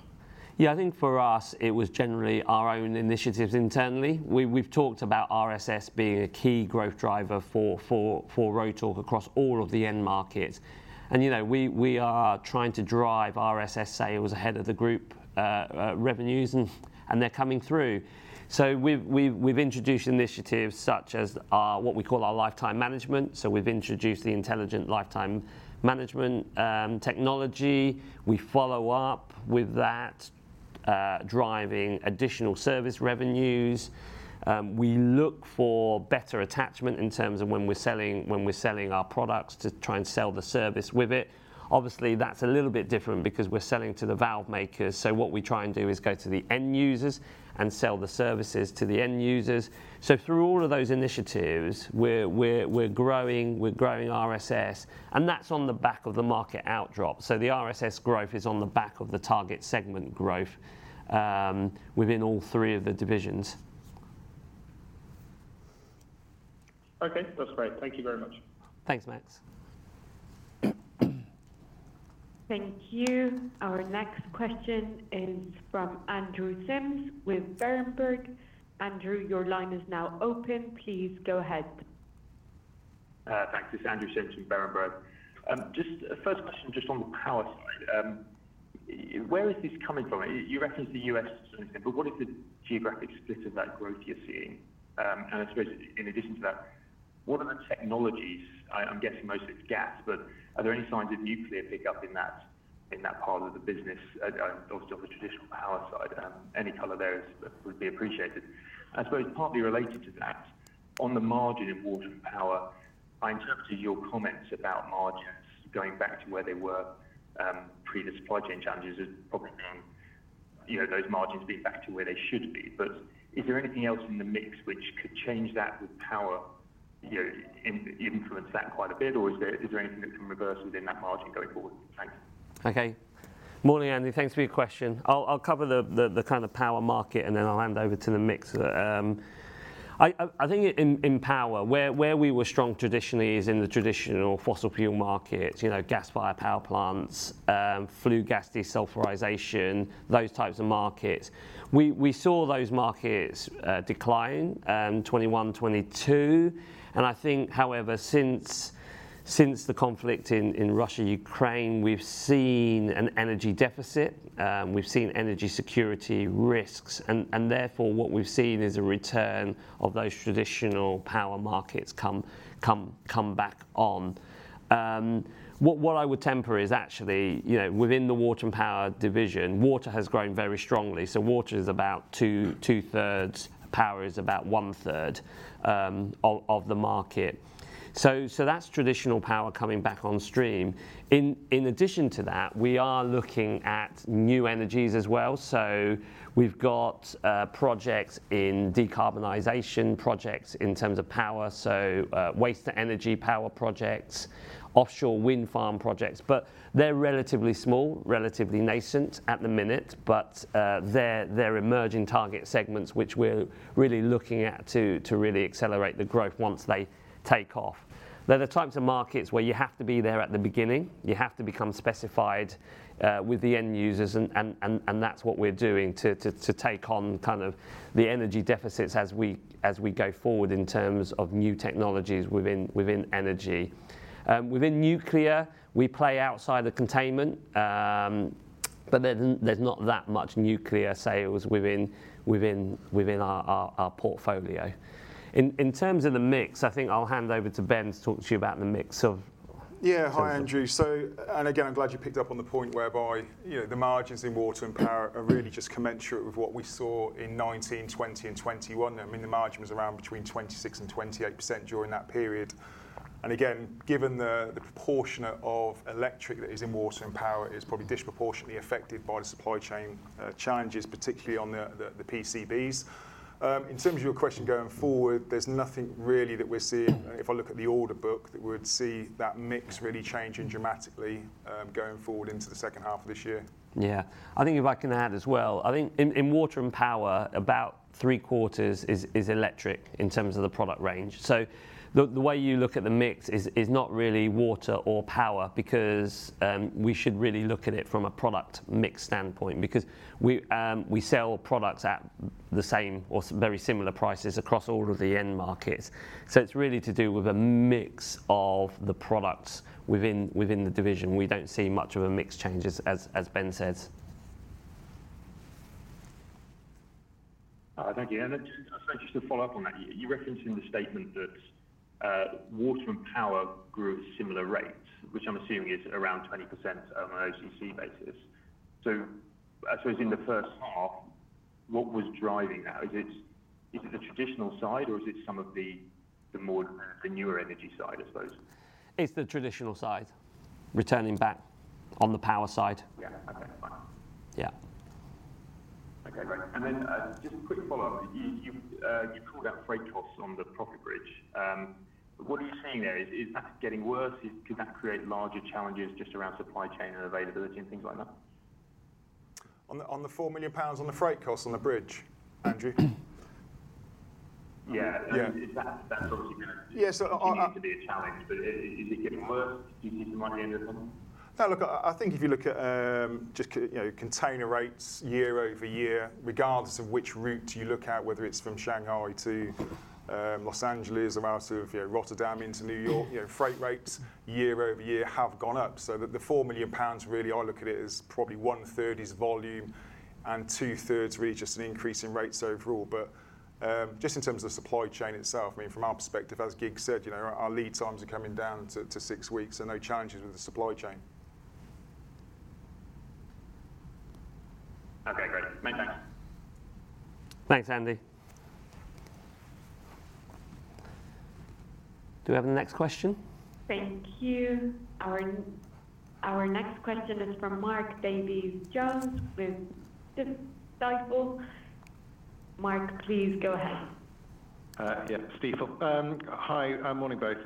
Yeah, I think for us it was generally our own initiatives internally. We've talked about RSS being a key growth driver for Rotork across all of the end markets. And, you know, we are trying to drive RSS sales ahead of the group revenues, and they're coming through. So we've introduced initiatives such as what we call our lifetime management. So we've introduced the Intelligent Lifetime Management technology. We follow up with that, driving additional service revenues. We look for better attachment in terms of when we're selling our products, to try and sell the service with it. Obviously, that's a little bit different because we're selling to the valve makers. So what we try and do is go to the end users and sell the services to the end users. Through all of those initiatives, we're growing RSS, and that's on the back of the market uptake. The RSS growth is on the back of the target segment growth within all three of the divisions. Okay, that's great. Thank you very much. Thanks, Max. Thank you. Our next question is from Andrew Sims with Berenberg. Andrew, your line is now open. Please go ahead. Thanks. It's Andrew Sims from Berenberg. Just a first question, just on the power side. Where is this coming from? You referenced the US, but what is the geographic split of that growth you're seeing? And I suppose in addition to that, what are the technologies? I'm guessing most of it's gas, but are there any signs of nuclear pickup in that part of the business, obviously, on the traditional power side? Any color there would be appreciated. I suppose partly related to that, on the margins of Water and Power, I interpreted your comments about margins going back to where they were, previous supply chain challenges as probably meaning, you know, those margins being back to where they should be. But is there anything else in the mix which could change that with power, you know, in influence that quite a bit, or is there anything that can reverse within that margin going forward? Thanks. Okay. Morning, Andrew. Thanks for your question. I'll cover the kind of power market, and then I'll hand over to Ben. I think in power, where we were strong traditionally is in the traditional fossil fuel markets, you know, gas-fired power plants, flue gas desulfurization, those types of markets. We saw those markets decline in 2021, 2022, and I think, however, since the conflict in Russia, Ukraine, we've seen an energy deficit, we've seen energy security risks, and therefore, what we've seen is a return of those traditional power markets come back on. What I would temper is actually, you know, within the water and power division, water has grown very strongly. So water is about two-thirds, power is about one-third of the market. So that's traditional power coming back on stream. In addition to that, we are looking at new energies as well. So we've got projects in decarbonization, projects in terms of power, so waste-to-energy power projects, offshore wind farm projects, but they're relatively small, relatively nascent at the minute, but they're emerging target segments, which we're really looking at to take on kind of the energy deficits as we go forward in terms of new technologies within energy. Within nuclear, we play outside the containment, but there's not that much nuclear sales within our portfolio. In terms of the mix, I think I'll hand over to Ben to talk to you about the mix of- Yeah. Hi, Andrew. So, and again, I'm glad you picked up on the point whereby, you know, the margins in Water and Power are really just commensurate with what we saw in 2019, 2020, and 2021. I mean, the margin was around between 26% and 28% during that period. And again, given the proportion of electric that is in Water and Power is probably disproportionately affected by the supply chain challenges, particularly on the PCBs. In terms of your question going forward, there's nothing really that we're seeing, if I look at the order book, that we'd see that mix really changing dramatically going forward into the second half of this year. Yeah. I think if I can add as well, I think in water and power, about three-quarters is electric in terms of the product range. So the way you look at the mix is not really water or power because we should really look at it from a product mix standpoint, because we sell products at the same or very similar prices across all of the end markets. So it's really to do with a mix of the products within the division. We don't see much of a mix changes, as Ben said. Thank you. And then just, just to follow up on that, you, you referenced in the statement that, water and power grew at a similar rate, which I'm assuming is around 20% on an OCC basis. So I suppose in the first half, what was driving that? Is it, is it the traditional side, or is it some of the, the more, the newer energy side, I suppose? It's the traditional side, returning back on the power side. Yeah. Okay, fine. Yeah. Okay, great. And then, just a quick follow-up. You called out freight costs on the profit bridge. What are you seeing there? Is that getting worse? Could that create larger challenges just around supply chain and availability and things like that? On the 4 million pounds, on the freight cost on the bridge, Andrew?... Yeah, and that, that's obviously gonna- Yeah, so on. Continue to be a challenge, but is it getting worse? Do you see the money in this one? No, look, I think if you look at, just, you know, container rates year-over-year, regardless of which route you look at, whether it's from Shanghai to Los Angeles or out of, you know, Rotterdam into New York, you know, freight rates year-over-year have gone up. So the 4 million pounds really, I look at it as probably one third is volume and two thirds really just an increase in rates overall. But just in terms of supply chain itself, I mean, from our perspective, as Kiet said, you know, our lead times are coming down to six weeks and no challenges with the supply chain. Okay, great. Thanks, Ben. Thanks, Andy. Do we have the next question? Thank you. Our next question is from Mark Davies Jones with Stifel. Mark, please go ahead. Yeah, Stifel. Hi, morning, both.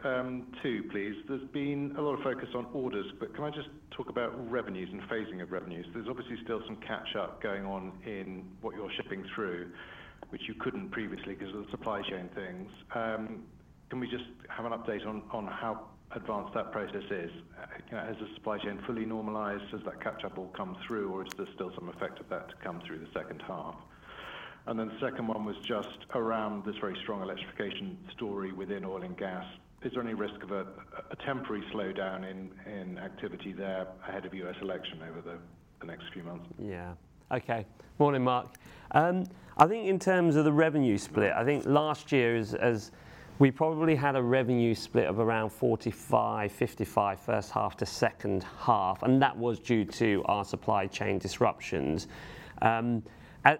Two, please. There's been a lot of focus on orders, but can I just talk about revenues and phasing of revenues? There's obviously still some catch up going on in what you're shipping through, which you couldn't previously because of the supply chain things. Can we just have an update on how advanced that process is? Has the supply chain fully normalized? Has that catch-up all come through, or is there still some effect of that to come through the second half? And then the second one was just around this very strong electrification story within oil and gas. Is there any risk of a temporary slowdown in activity there ahead of U.S. election over the next few months? Yeah. Okay. Morning, Mark. I think in terms of the revenue split, I think last year as we probably had a revenue split of around 45-55, first half to second half, and that was due to our supply chain disruptions.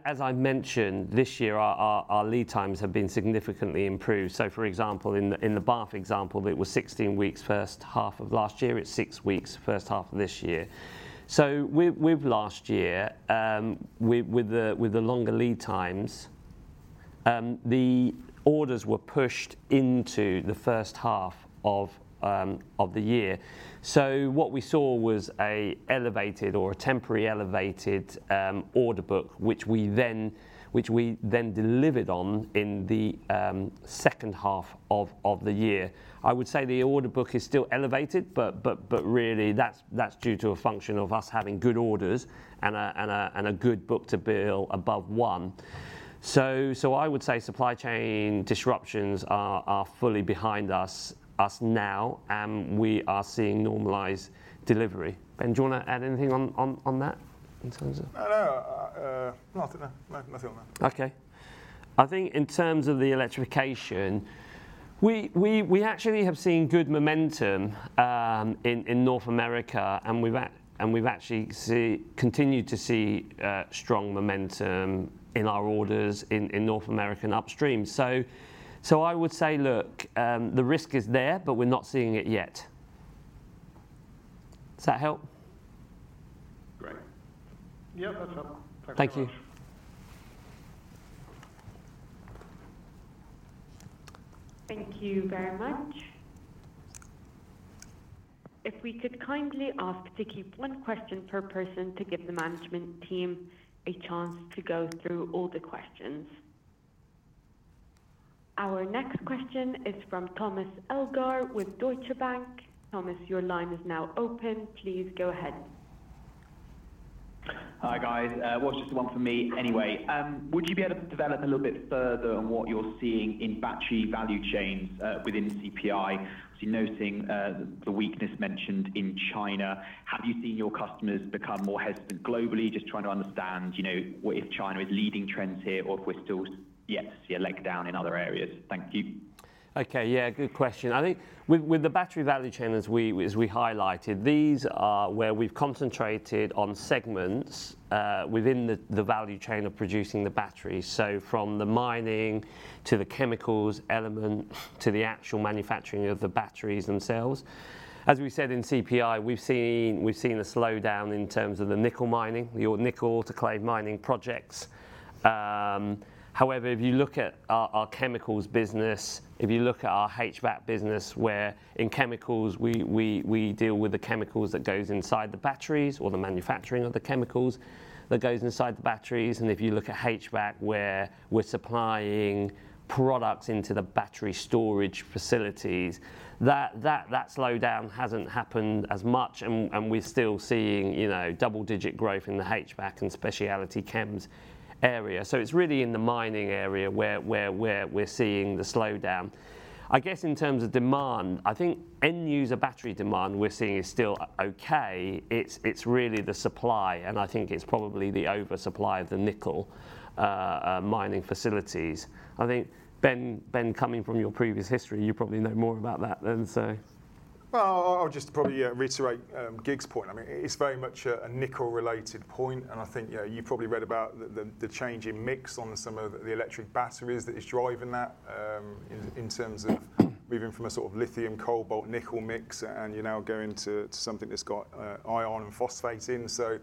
As I mentioned, this year, our lead times have been significantly improved. So for example, in the Bath example, it was 16 weeks first half of last year, it's 6 weeks first half of this year. So with last year, with the longer lead times, the orders were pushed into the first half of the year. So what we saw was a elevated or a temporary elevated order book, which we then delivered on in the second half of the year. I would say the order book is still elevated, but really, that's due to a function of us having good orders and a good book to bill above one. So I would say supply chain disruptions are fully behind us now, and we are seeing normalized delivery. Ben, do you wanna add anything on that in terms of? No, no, nothing. No, nothing on that. Okay. I think in terms of the electrification, we actually have seen good momentum in North America, and we've actually continued to see strong momentum in our orders in North American upstream. So I would say, look, the risk is there, but we're not seeing it yet. Does that help? Great. Yep, that's helpful. Thank you. Thank you very much. If we could kindly ask to keep one question per person to give the management team a chance to go through all the questions. Our next question is from Thomas Elgar with Deutsche Bank. Thomas, your line is now open. Please go ahead. Hi, guys. Well, just one for me anyway. Would you be able to develop a little bit further on what you're seeing in battery value chains within CPI? Obviously noting the weakness mentioned in China, have you seen your customers become more hesitant globally? Just trying to understand, you know, what if China is leading trends here or if we're still leg down in other areas. Thank you. Okay, yeah, good question. I think with the battery value chain, as we highlighted, these are where we've concentrated on segments within the value chain of producing the batteries. So from the mining to the chemicals element to the actual manufacturing of the batteries themselves. As we said in CPI, we've seen a slowdown in terms of the nickel mining, your nickel autoclave mining projects. However, if you look at our chemicals business, if you look at our HVAC business, where in chemicals, we deal with the chemicals that goes inside the batteries or the manufacturing of the chemicals that goes inside the batteries. And if you look at HVAC, where we're supplying products into the battery storage facilities, that slowdown hasn't happened as much, and we're still seeing, you know, double-digit growth in the HVAC and specialty chems area. So it's really in the mining area where we're seeing the slowdown. I guess in terms of demand, I think end user battery demand we're seeing is still okay. It's really the supply, and I think it's probably the oversupply of the nickel mining facilities. I think, Ben, coming from your previous history, you probably know more about that than say. Well, I'll just probably reiterate Kiet's point. I mean, it's very much a nickel-related point, and I think, yeah, you probably read about the change in mix on some of the electric batteries that is driving that, in terms of moving from a sort of lithium, cobalt, nickel mix, and you're now going to something that's got iron and phosphate in. So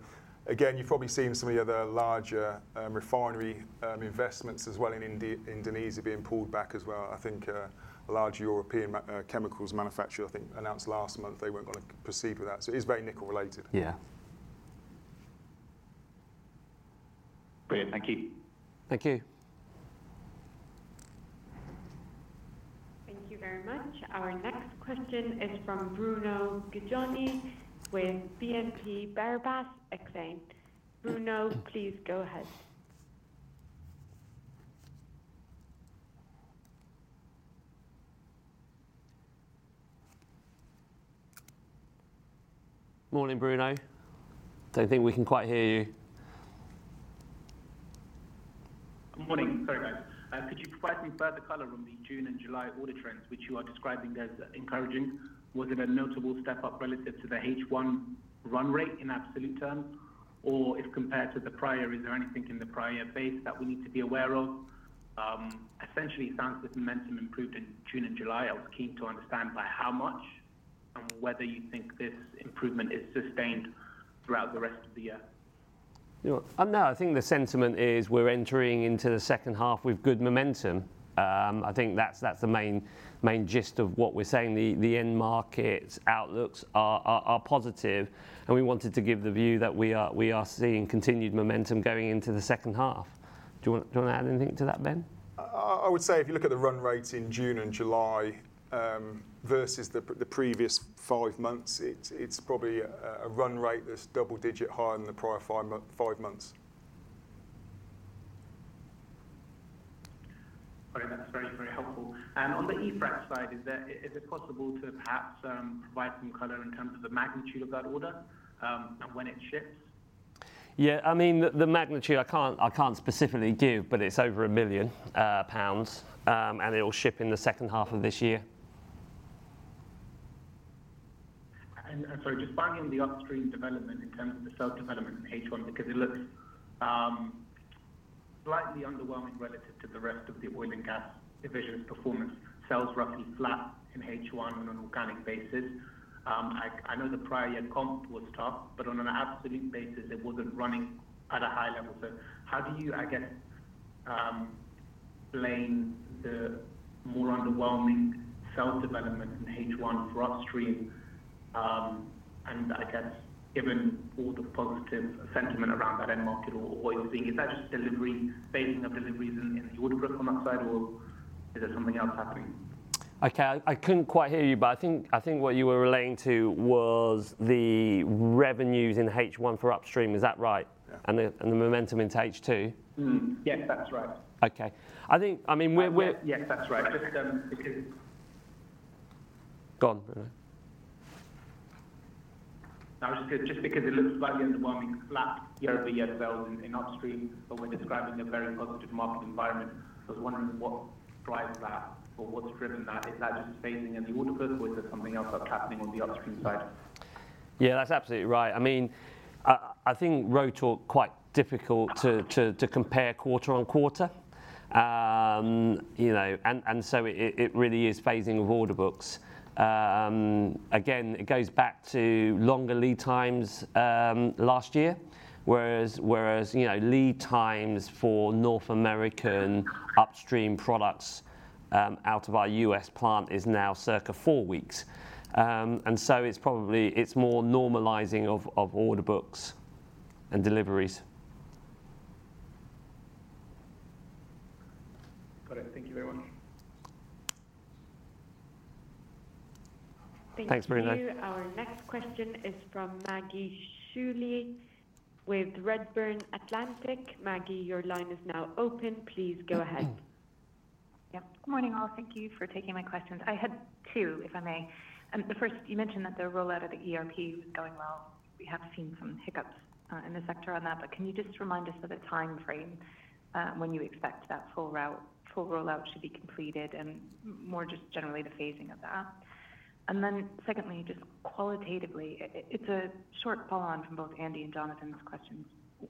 again, you've probably seen some of the other larger refinery investments as well in Indonesia being pulled back as well. I think a large European major chemicals manufacturer, I think, announced last month they weren't gonna proceed with that. So it is very nickel-related. Yeah.... Great. Thank you. Thank you. Thank you very much. Our next question is from Bruno Gjonaj with BNP Paribas Exane. Bruno, please go ahead. Morning, Bruno. Don't think we can quite hear you. Morning. Sorry, guys. Could you provide any further color on the June and July order trends, which you are describing as encouraging? Was it a notable step up relative to the H1 run rate in absolute terms, or if compared to the prior, is there anything in the prior base that we need to be aware of? Essentially, it sounds like the momentum improved in June and July. I was keen to understand by how much and whether you think this improvement is sustained throughout the rest of the year. You know, no, I think the sentiment is we're entering into the second half with good momentum. I think that's the main gist of what we're saying. The end markets outlooks are positive, and we wanted to give the view that we are seeing continued momentum going into the second half. Do you want to add anything to that, Ben? I would say if you look at the run rates in June and July, versus the previous five months, it's probably a run rate that's double digit higher than the prior five months. Okay, that's very, very helpful. On the e-frac side, is it possible to perhaps provide some color in terms of the magnitude of that order, and when it ships? Yeah, I mean, the magnitude I can't specifically give, but it's over 1 million pounds. And it'll ship in the second half of this year. And so just banging the upstream development in terms of the sales development in H1, because it looks slightly underwhelming relative to the rest of the oil and gas division's performance. Sales roughly flat in H1 on an organic basis. I know the prior year comp was tough, but on an absolute basis, it wasn't running at a high level. So how do you, I guess, explain the more underwhelming sales development in H1 for upstream, and I guess, given all the positive sentiment around that end market or what you're seeing, is that just delivery, phasing of deliveries in the order book on that side, or is there something else happening? Okay, I couldn't quite hear you, but I think, I think what you were relating to was the revenues in H1 for Upstream. Is that right? Yeah. And the momentum into H2? Mm-hmm. Yeah, that's right. Okay. I think, I mean, we're Yes, that's right. Just, because- Go on. I was just gonna... Just because it looks slightly underwhelming, flat year-over-year sales in Upstream, but we're describing a very positive market environment. I was wondering what drives that or what's driven that. Is that just phasing in the order book, or is there something else that's happening on the Upstream side? Yeah, that's absolutely right. I mean, I think Rotork quite difficult to compare quarter-on-quarter. You know, and so it really is phasing of order books. Again, it goes back to longer lead times last year. Whereas, you know, lead times for North American upstream products out of our U.S. plant is now circa four weeks. And so it's probably it's more normalizing of order books and deliveries. Got it. Thank you very much. Thanks, Bruno. Thank you. Our next question is from Maggie Schooley with Redburn Atlantic. Maggie, your line is now open. Please go ahead. Yep. Good morning, all. Thank you for taking my questions. I had two, if I may. The first, you mentioned that the rollout of the ERP was going well. We have seen some hiccups in the sector on that, but can you just remind us of the time frame, when you expect that full route, full rollout to be completed and more just generally the phasing of that? And then secondly, just qualitatively, it, it's a short follow on from both Andy and Jonathan's questions.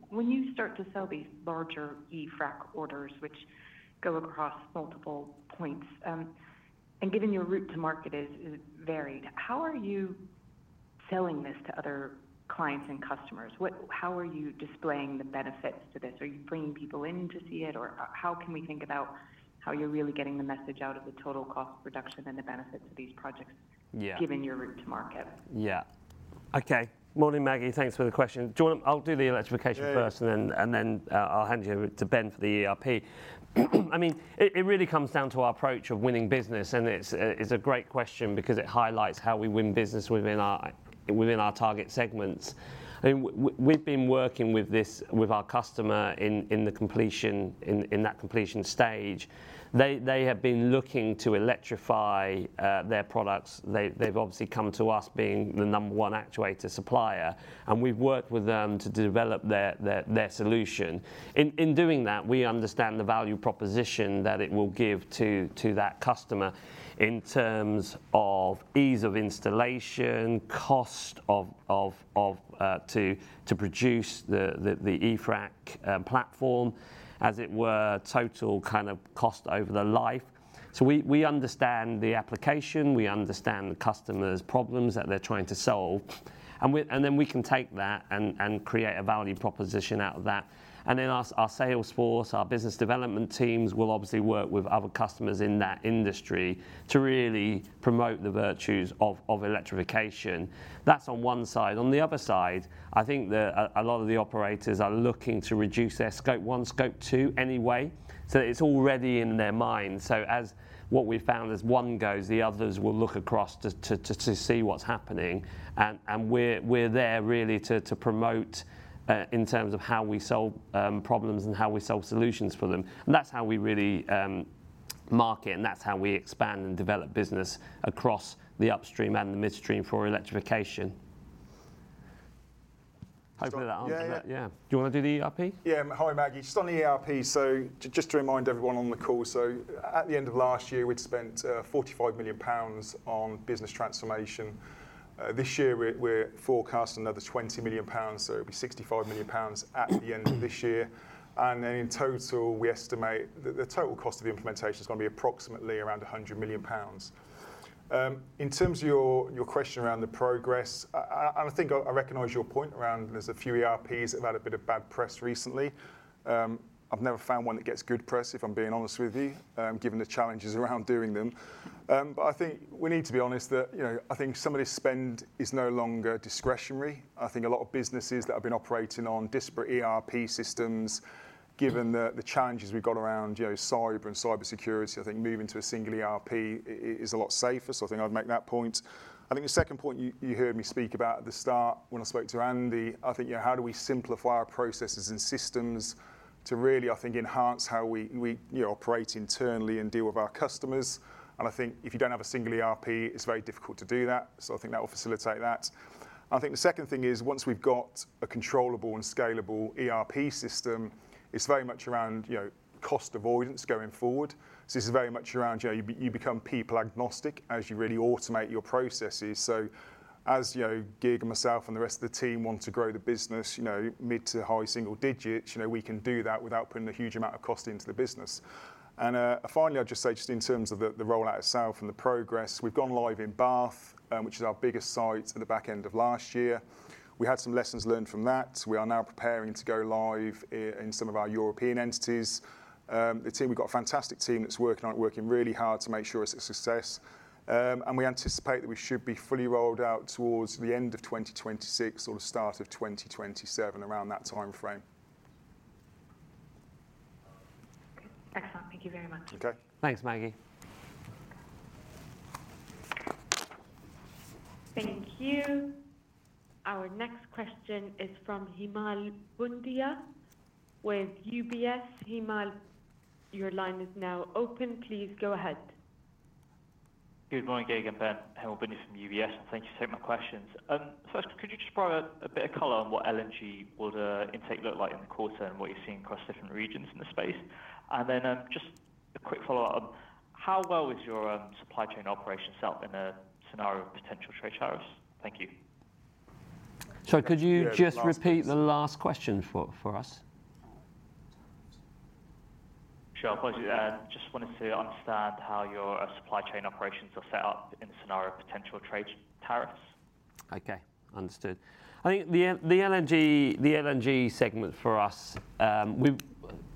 When you start to sell these larger e-frac orders, which go across multiple points, and given your route to market is, is varied, how are you selling this to other clients and customers? How are you displaying the benefits to this? Are you bringing people in to see it, or how can we think about how you're really getting the message out of the total cost reduction and the benefits of these projects? Yeah. Given your route to market? Yeah. Okay. Morning, Maggie. Thanks for the question. Do you want to... I'll do the electrification first, and then, I'll hand you over to Ben for the ERP. I mean, it really comes down to our approach of winning business, and it's a great question because it highlights how we win business within our target segments. I mean, we've been working with this, with our customer in the completion, in that completion stage. They have been looking to electrify their products. They've obviously come to us being the number one actuator supplier, and we've worked with them to develop their solution. In doing that, we understand the value proposition that it will give to that customer in terms of ease of installation, cost of to produce the e-frac platform, as it were, total kind of cost over the life. So we understand the application, we understand the customer's problems that they're trying to solve, and then we can take that and create a value proposition out of that. And then our sales force, our business development teams will obviously work with other customers in that industry to really promote the virtues of electrification. That's on one side. On the other side, I think that a lot of the operators are looking to reduce their Scope 1, Scope 2 anyway, so it's already in their mind. So as what we've found as one goes, the others will look across to see what's happening, and we're there really to promote in terms of how we solve problems and how we solve solutions for them. And that's how we really market, and that's how we expand and develop business across the Upstream and the Midstream for electrification. Hoping that answered that? Yeah. Yeah. Do you wanna do the ERP? Yeah. Hi, Maggie. Just on the ERP, so just to remind everyone on the call, so at the end of last year, we'd spent 45 million pounds on business transformation. This year, we're forecasting another 20 million pounds, so it'll be 65 million pounds at the end of this year. And then in total, we estimate the total cost of the implementation is gonna be approximately around 100 million pounds. In terms of your question around the progress, I think I recognize your point around there's a few ERPs that have had a bit of bad press recently. I've never found one that gets good press, if I'm being honest with you, given the challenges around doing them. But I think we need to be honest that, you know, I think some of this spend is no longer discretionary. I think a lot of businesses that have been operating on disparate ERP systems, given the challenges we've got around, you know, cyber and cybersecurity, I think moving to a single ERP is a lot safer, so I think I'd make that point. I think the second point you heard me speak about at the start when I spoke to Andy, I think, you know, how do we simplify our processes and systems to really, I think, enhance how we, you know, operate internally and deal with our customers? And I think if you don't have a single ERP, it's very difficult to do that, so I think that will facilitate that. I think the second thing is, once we've got a controllable and scalable ERP system, it's very much around, you know, cost avoid going forward. So this is very much around, you know, you become people agnostic as you really automate your processes. So as you know, Kiet, myself, and the rest of the team want to grow the business, you know, mid to high single digits, you know, we can do that without putting a huge amount of cost into the business. And, finally, I'd just say just in terms of the rollout itself and the progress, we've gone live in Bath, which is our biggest site at the back end of last year. We had some lessons learned from that. We are now preparing to go live in some of our European entities. The team, we've got a fantastic team that's working on it, working really hard to make sure it's a success. And we anticipate that we should be fully rolled out towards the end of 2026 or the start of 2027, around that timeframe. Okay. Excellent. Thank you very much. Okay. Thanks, Maggie. Thank you. Our next question is from Himal Bundia with UBS. Himal, your line is now open. Please go ahead. Good morning, Kiet and Ben. Himal Bundia from UBS, and thank you for taking my questions. First, could you just provide a bit of color on what LNG order intake looked like in the quarter and what you're seeing across different regions in the space? And then, just a quick follow-up: How well is your supply chain operation set up in a scenario of potential trade tariffs? Thank you. Sorry, could you just repeat the last question for us? Sure. Apologies. Just wanted to understand how your supply chain operations are set up in a scenario of potential trade tariffs? Okay, understood. I think the LNG, the LNG segment for us, we've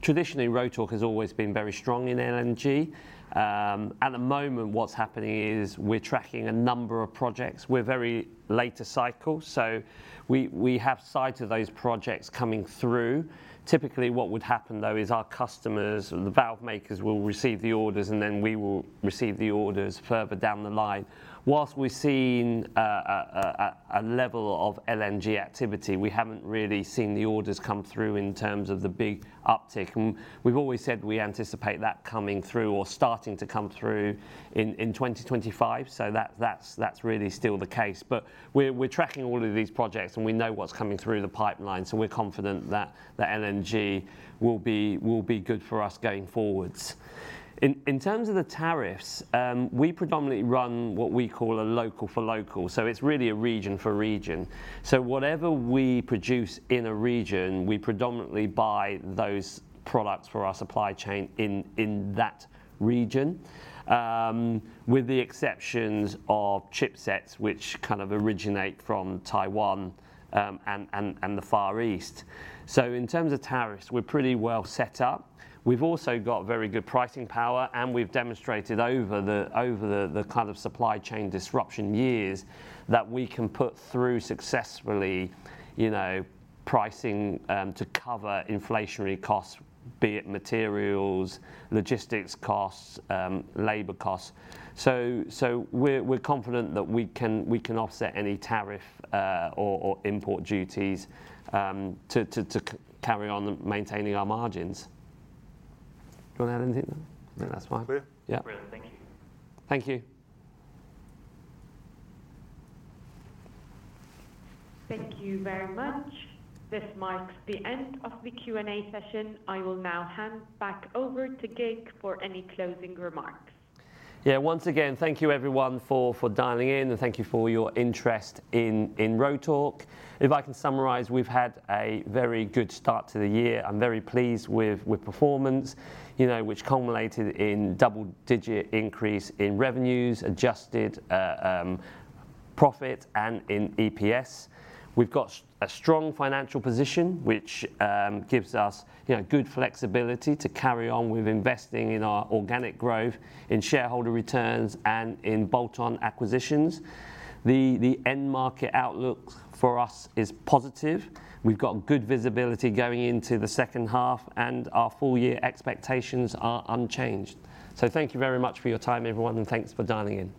traditionally, Rotork has always been very strong in LNG. At the moment, what's happening is we're tracking a number of projects. We're very late cycle, so we have sight of those projects coming through. Typically, what would happen, though, is our customers, the valve makers, will receive the orders, and then we will receive the orders further down the line. Whilst we've seen a level of LNG activity, we haven't really seen the orders come through in terms of the big uptick. And we've always said we anticipate that coming through or starting to come through in 2025, so that's really still the case. But we're tracking all of these projects, and we know what's coming through the pipeline, so we're confident that the LNG will be good for us going forward. In terms of the tariffs, we predominantly run what we call a local for local, so it's really a region for region. So whatever we produce in a region, we predominantly buy those products for our supply chain in that region, with the exceptions of chipsets, which kind of originate from Taiwan and the Far East. So in terms of tariffs, we're pretty well set up. We've also got very good pricing power, and we've demonstrated over the kind of supply chain disruption years that we can put through successfully, you know, pricing to cover inflationary costs, be it materials, logistics costs, labor costs. So we're confident that we can offset any tariff or import duties to carry on maintaining our margins. Do you wanna add anything? No, I think that's fine. Clear. Yeah. Brilliant. Thank you. Thank you. Thank you very much. This marks the end of the Q&A session. I will now hand back over to Kiet for any closing remarks. Yeah, once again, thank you everyone for dialing in, and thank you for your interest in Rotork. If I can summarize, we've had a very good start to the year. I'm very pleased with performance, you know, which culminated in double-digit increase in revenues, adjusted profit, and in EPS. We've got a strong financial position, which gives us, you know, good flexibility to carry on with investing in our organic growth, in shareholder returns, and in bolt-on acquisitions. The end market outlook for us is positive. We've got good visibility going into the second half, and our full year expectations are unchanged. So thank you very much for your time, everyone, and thanks for dialing in.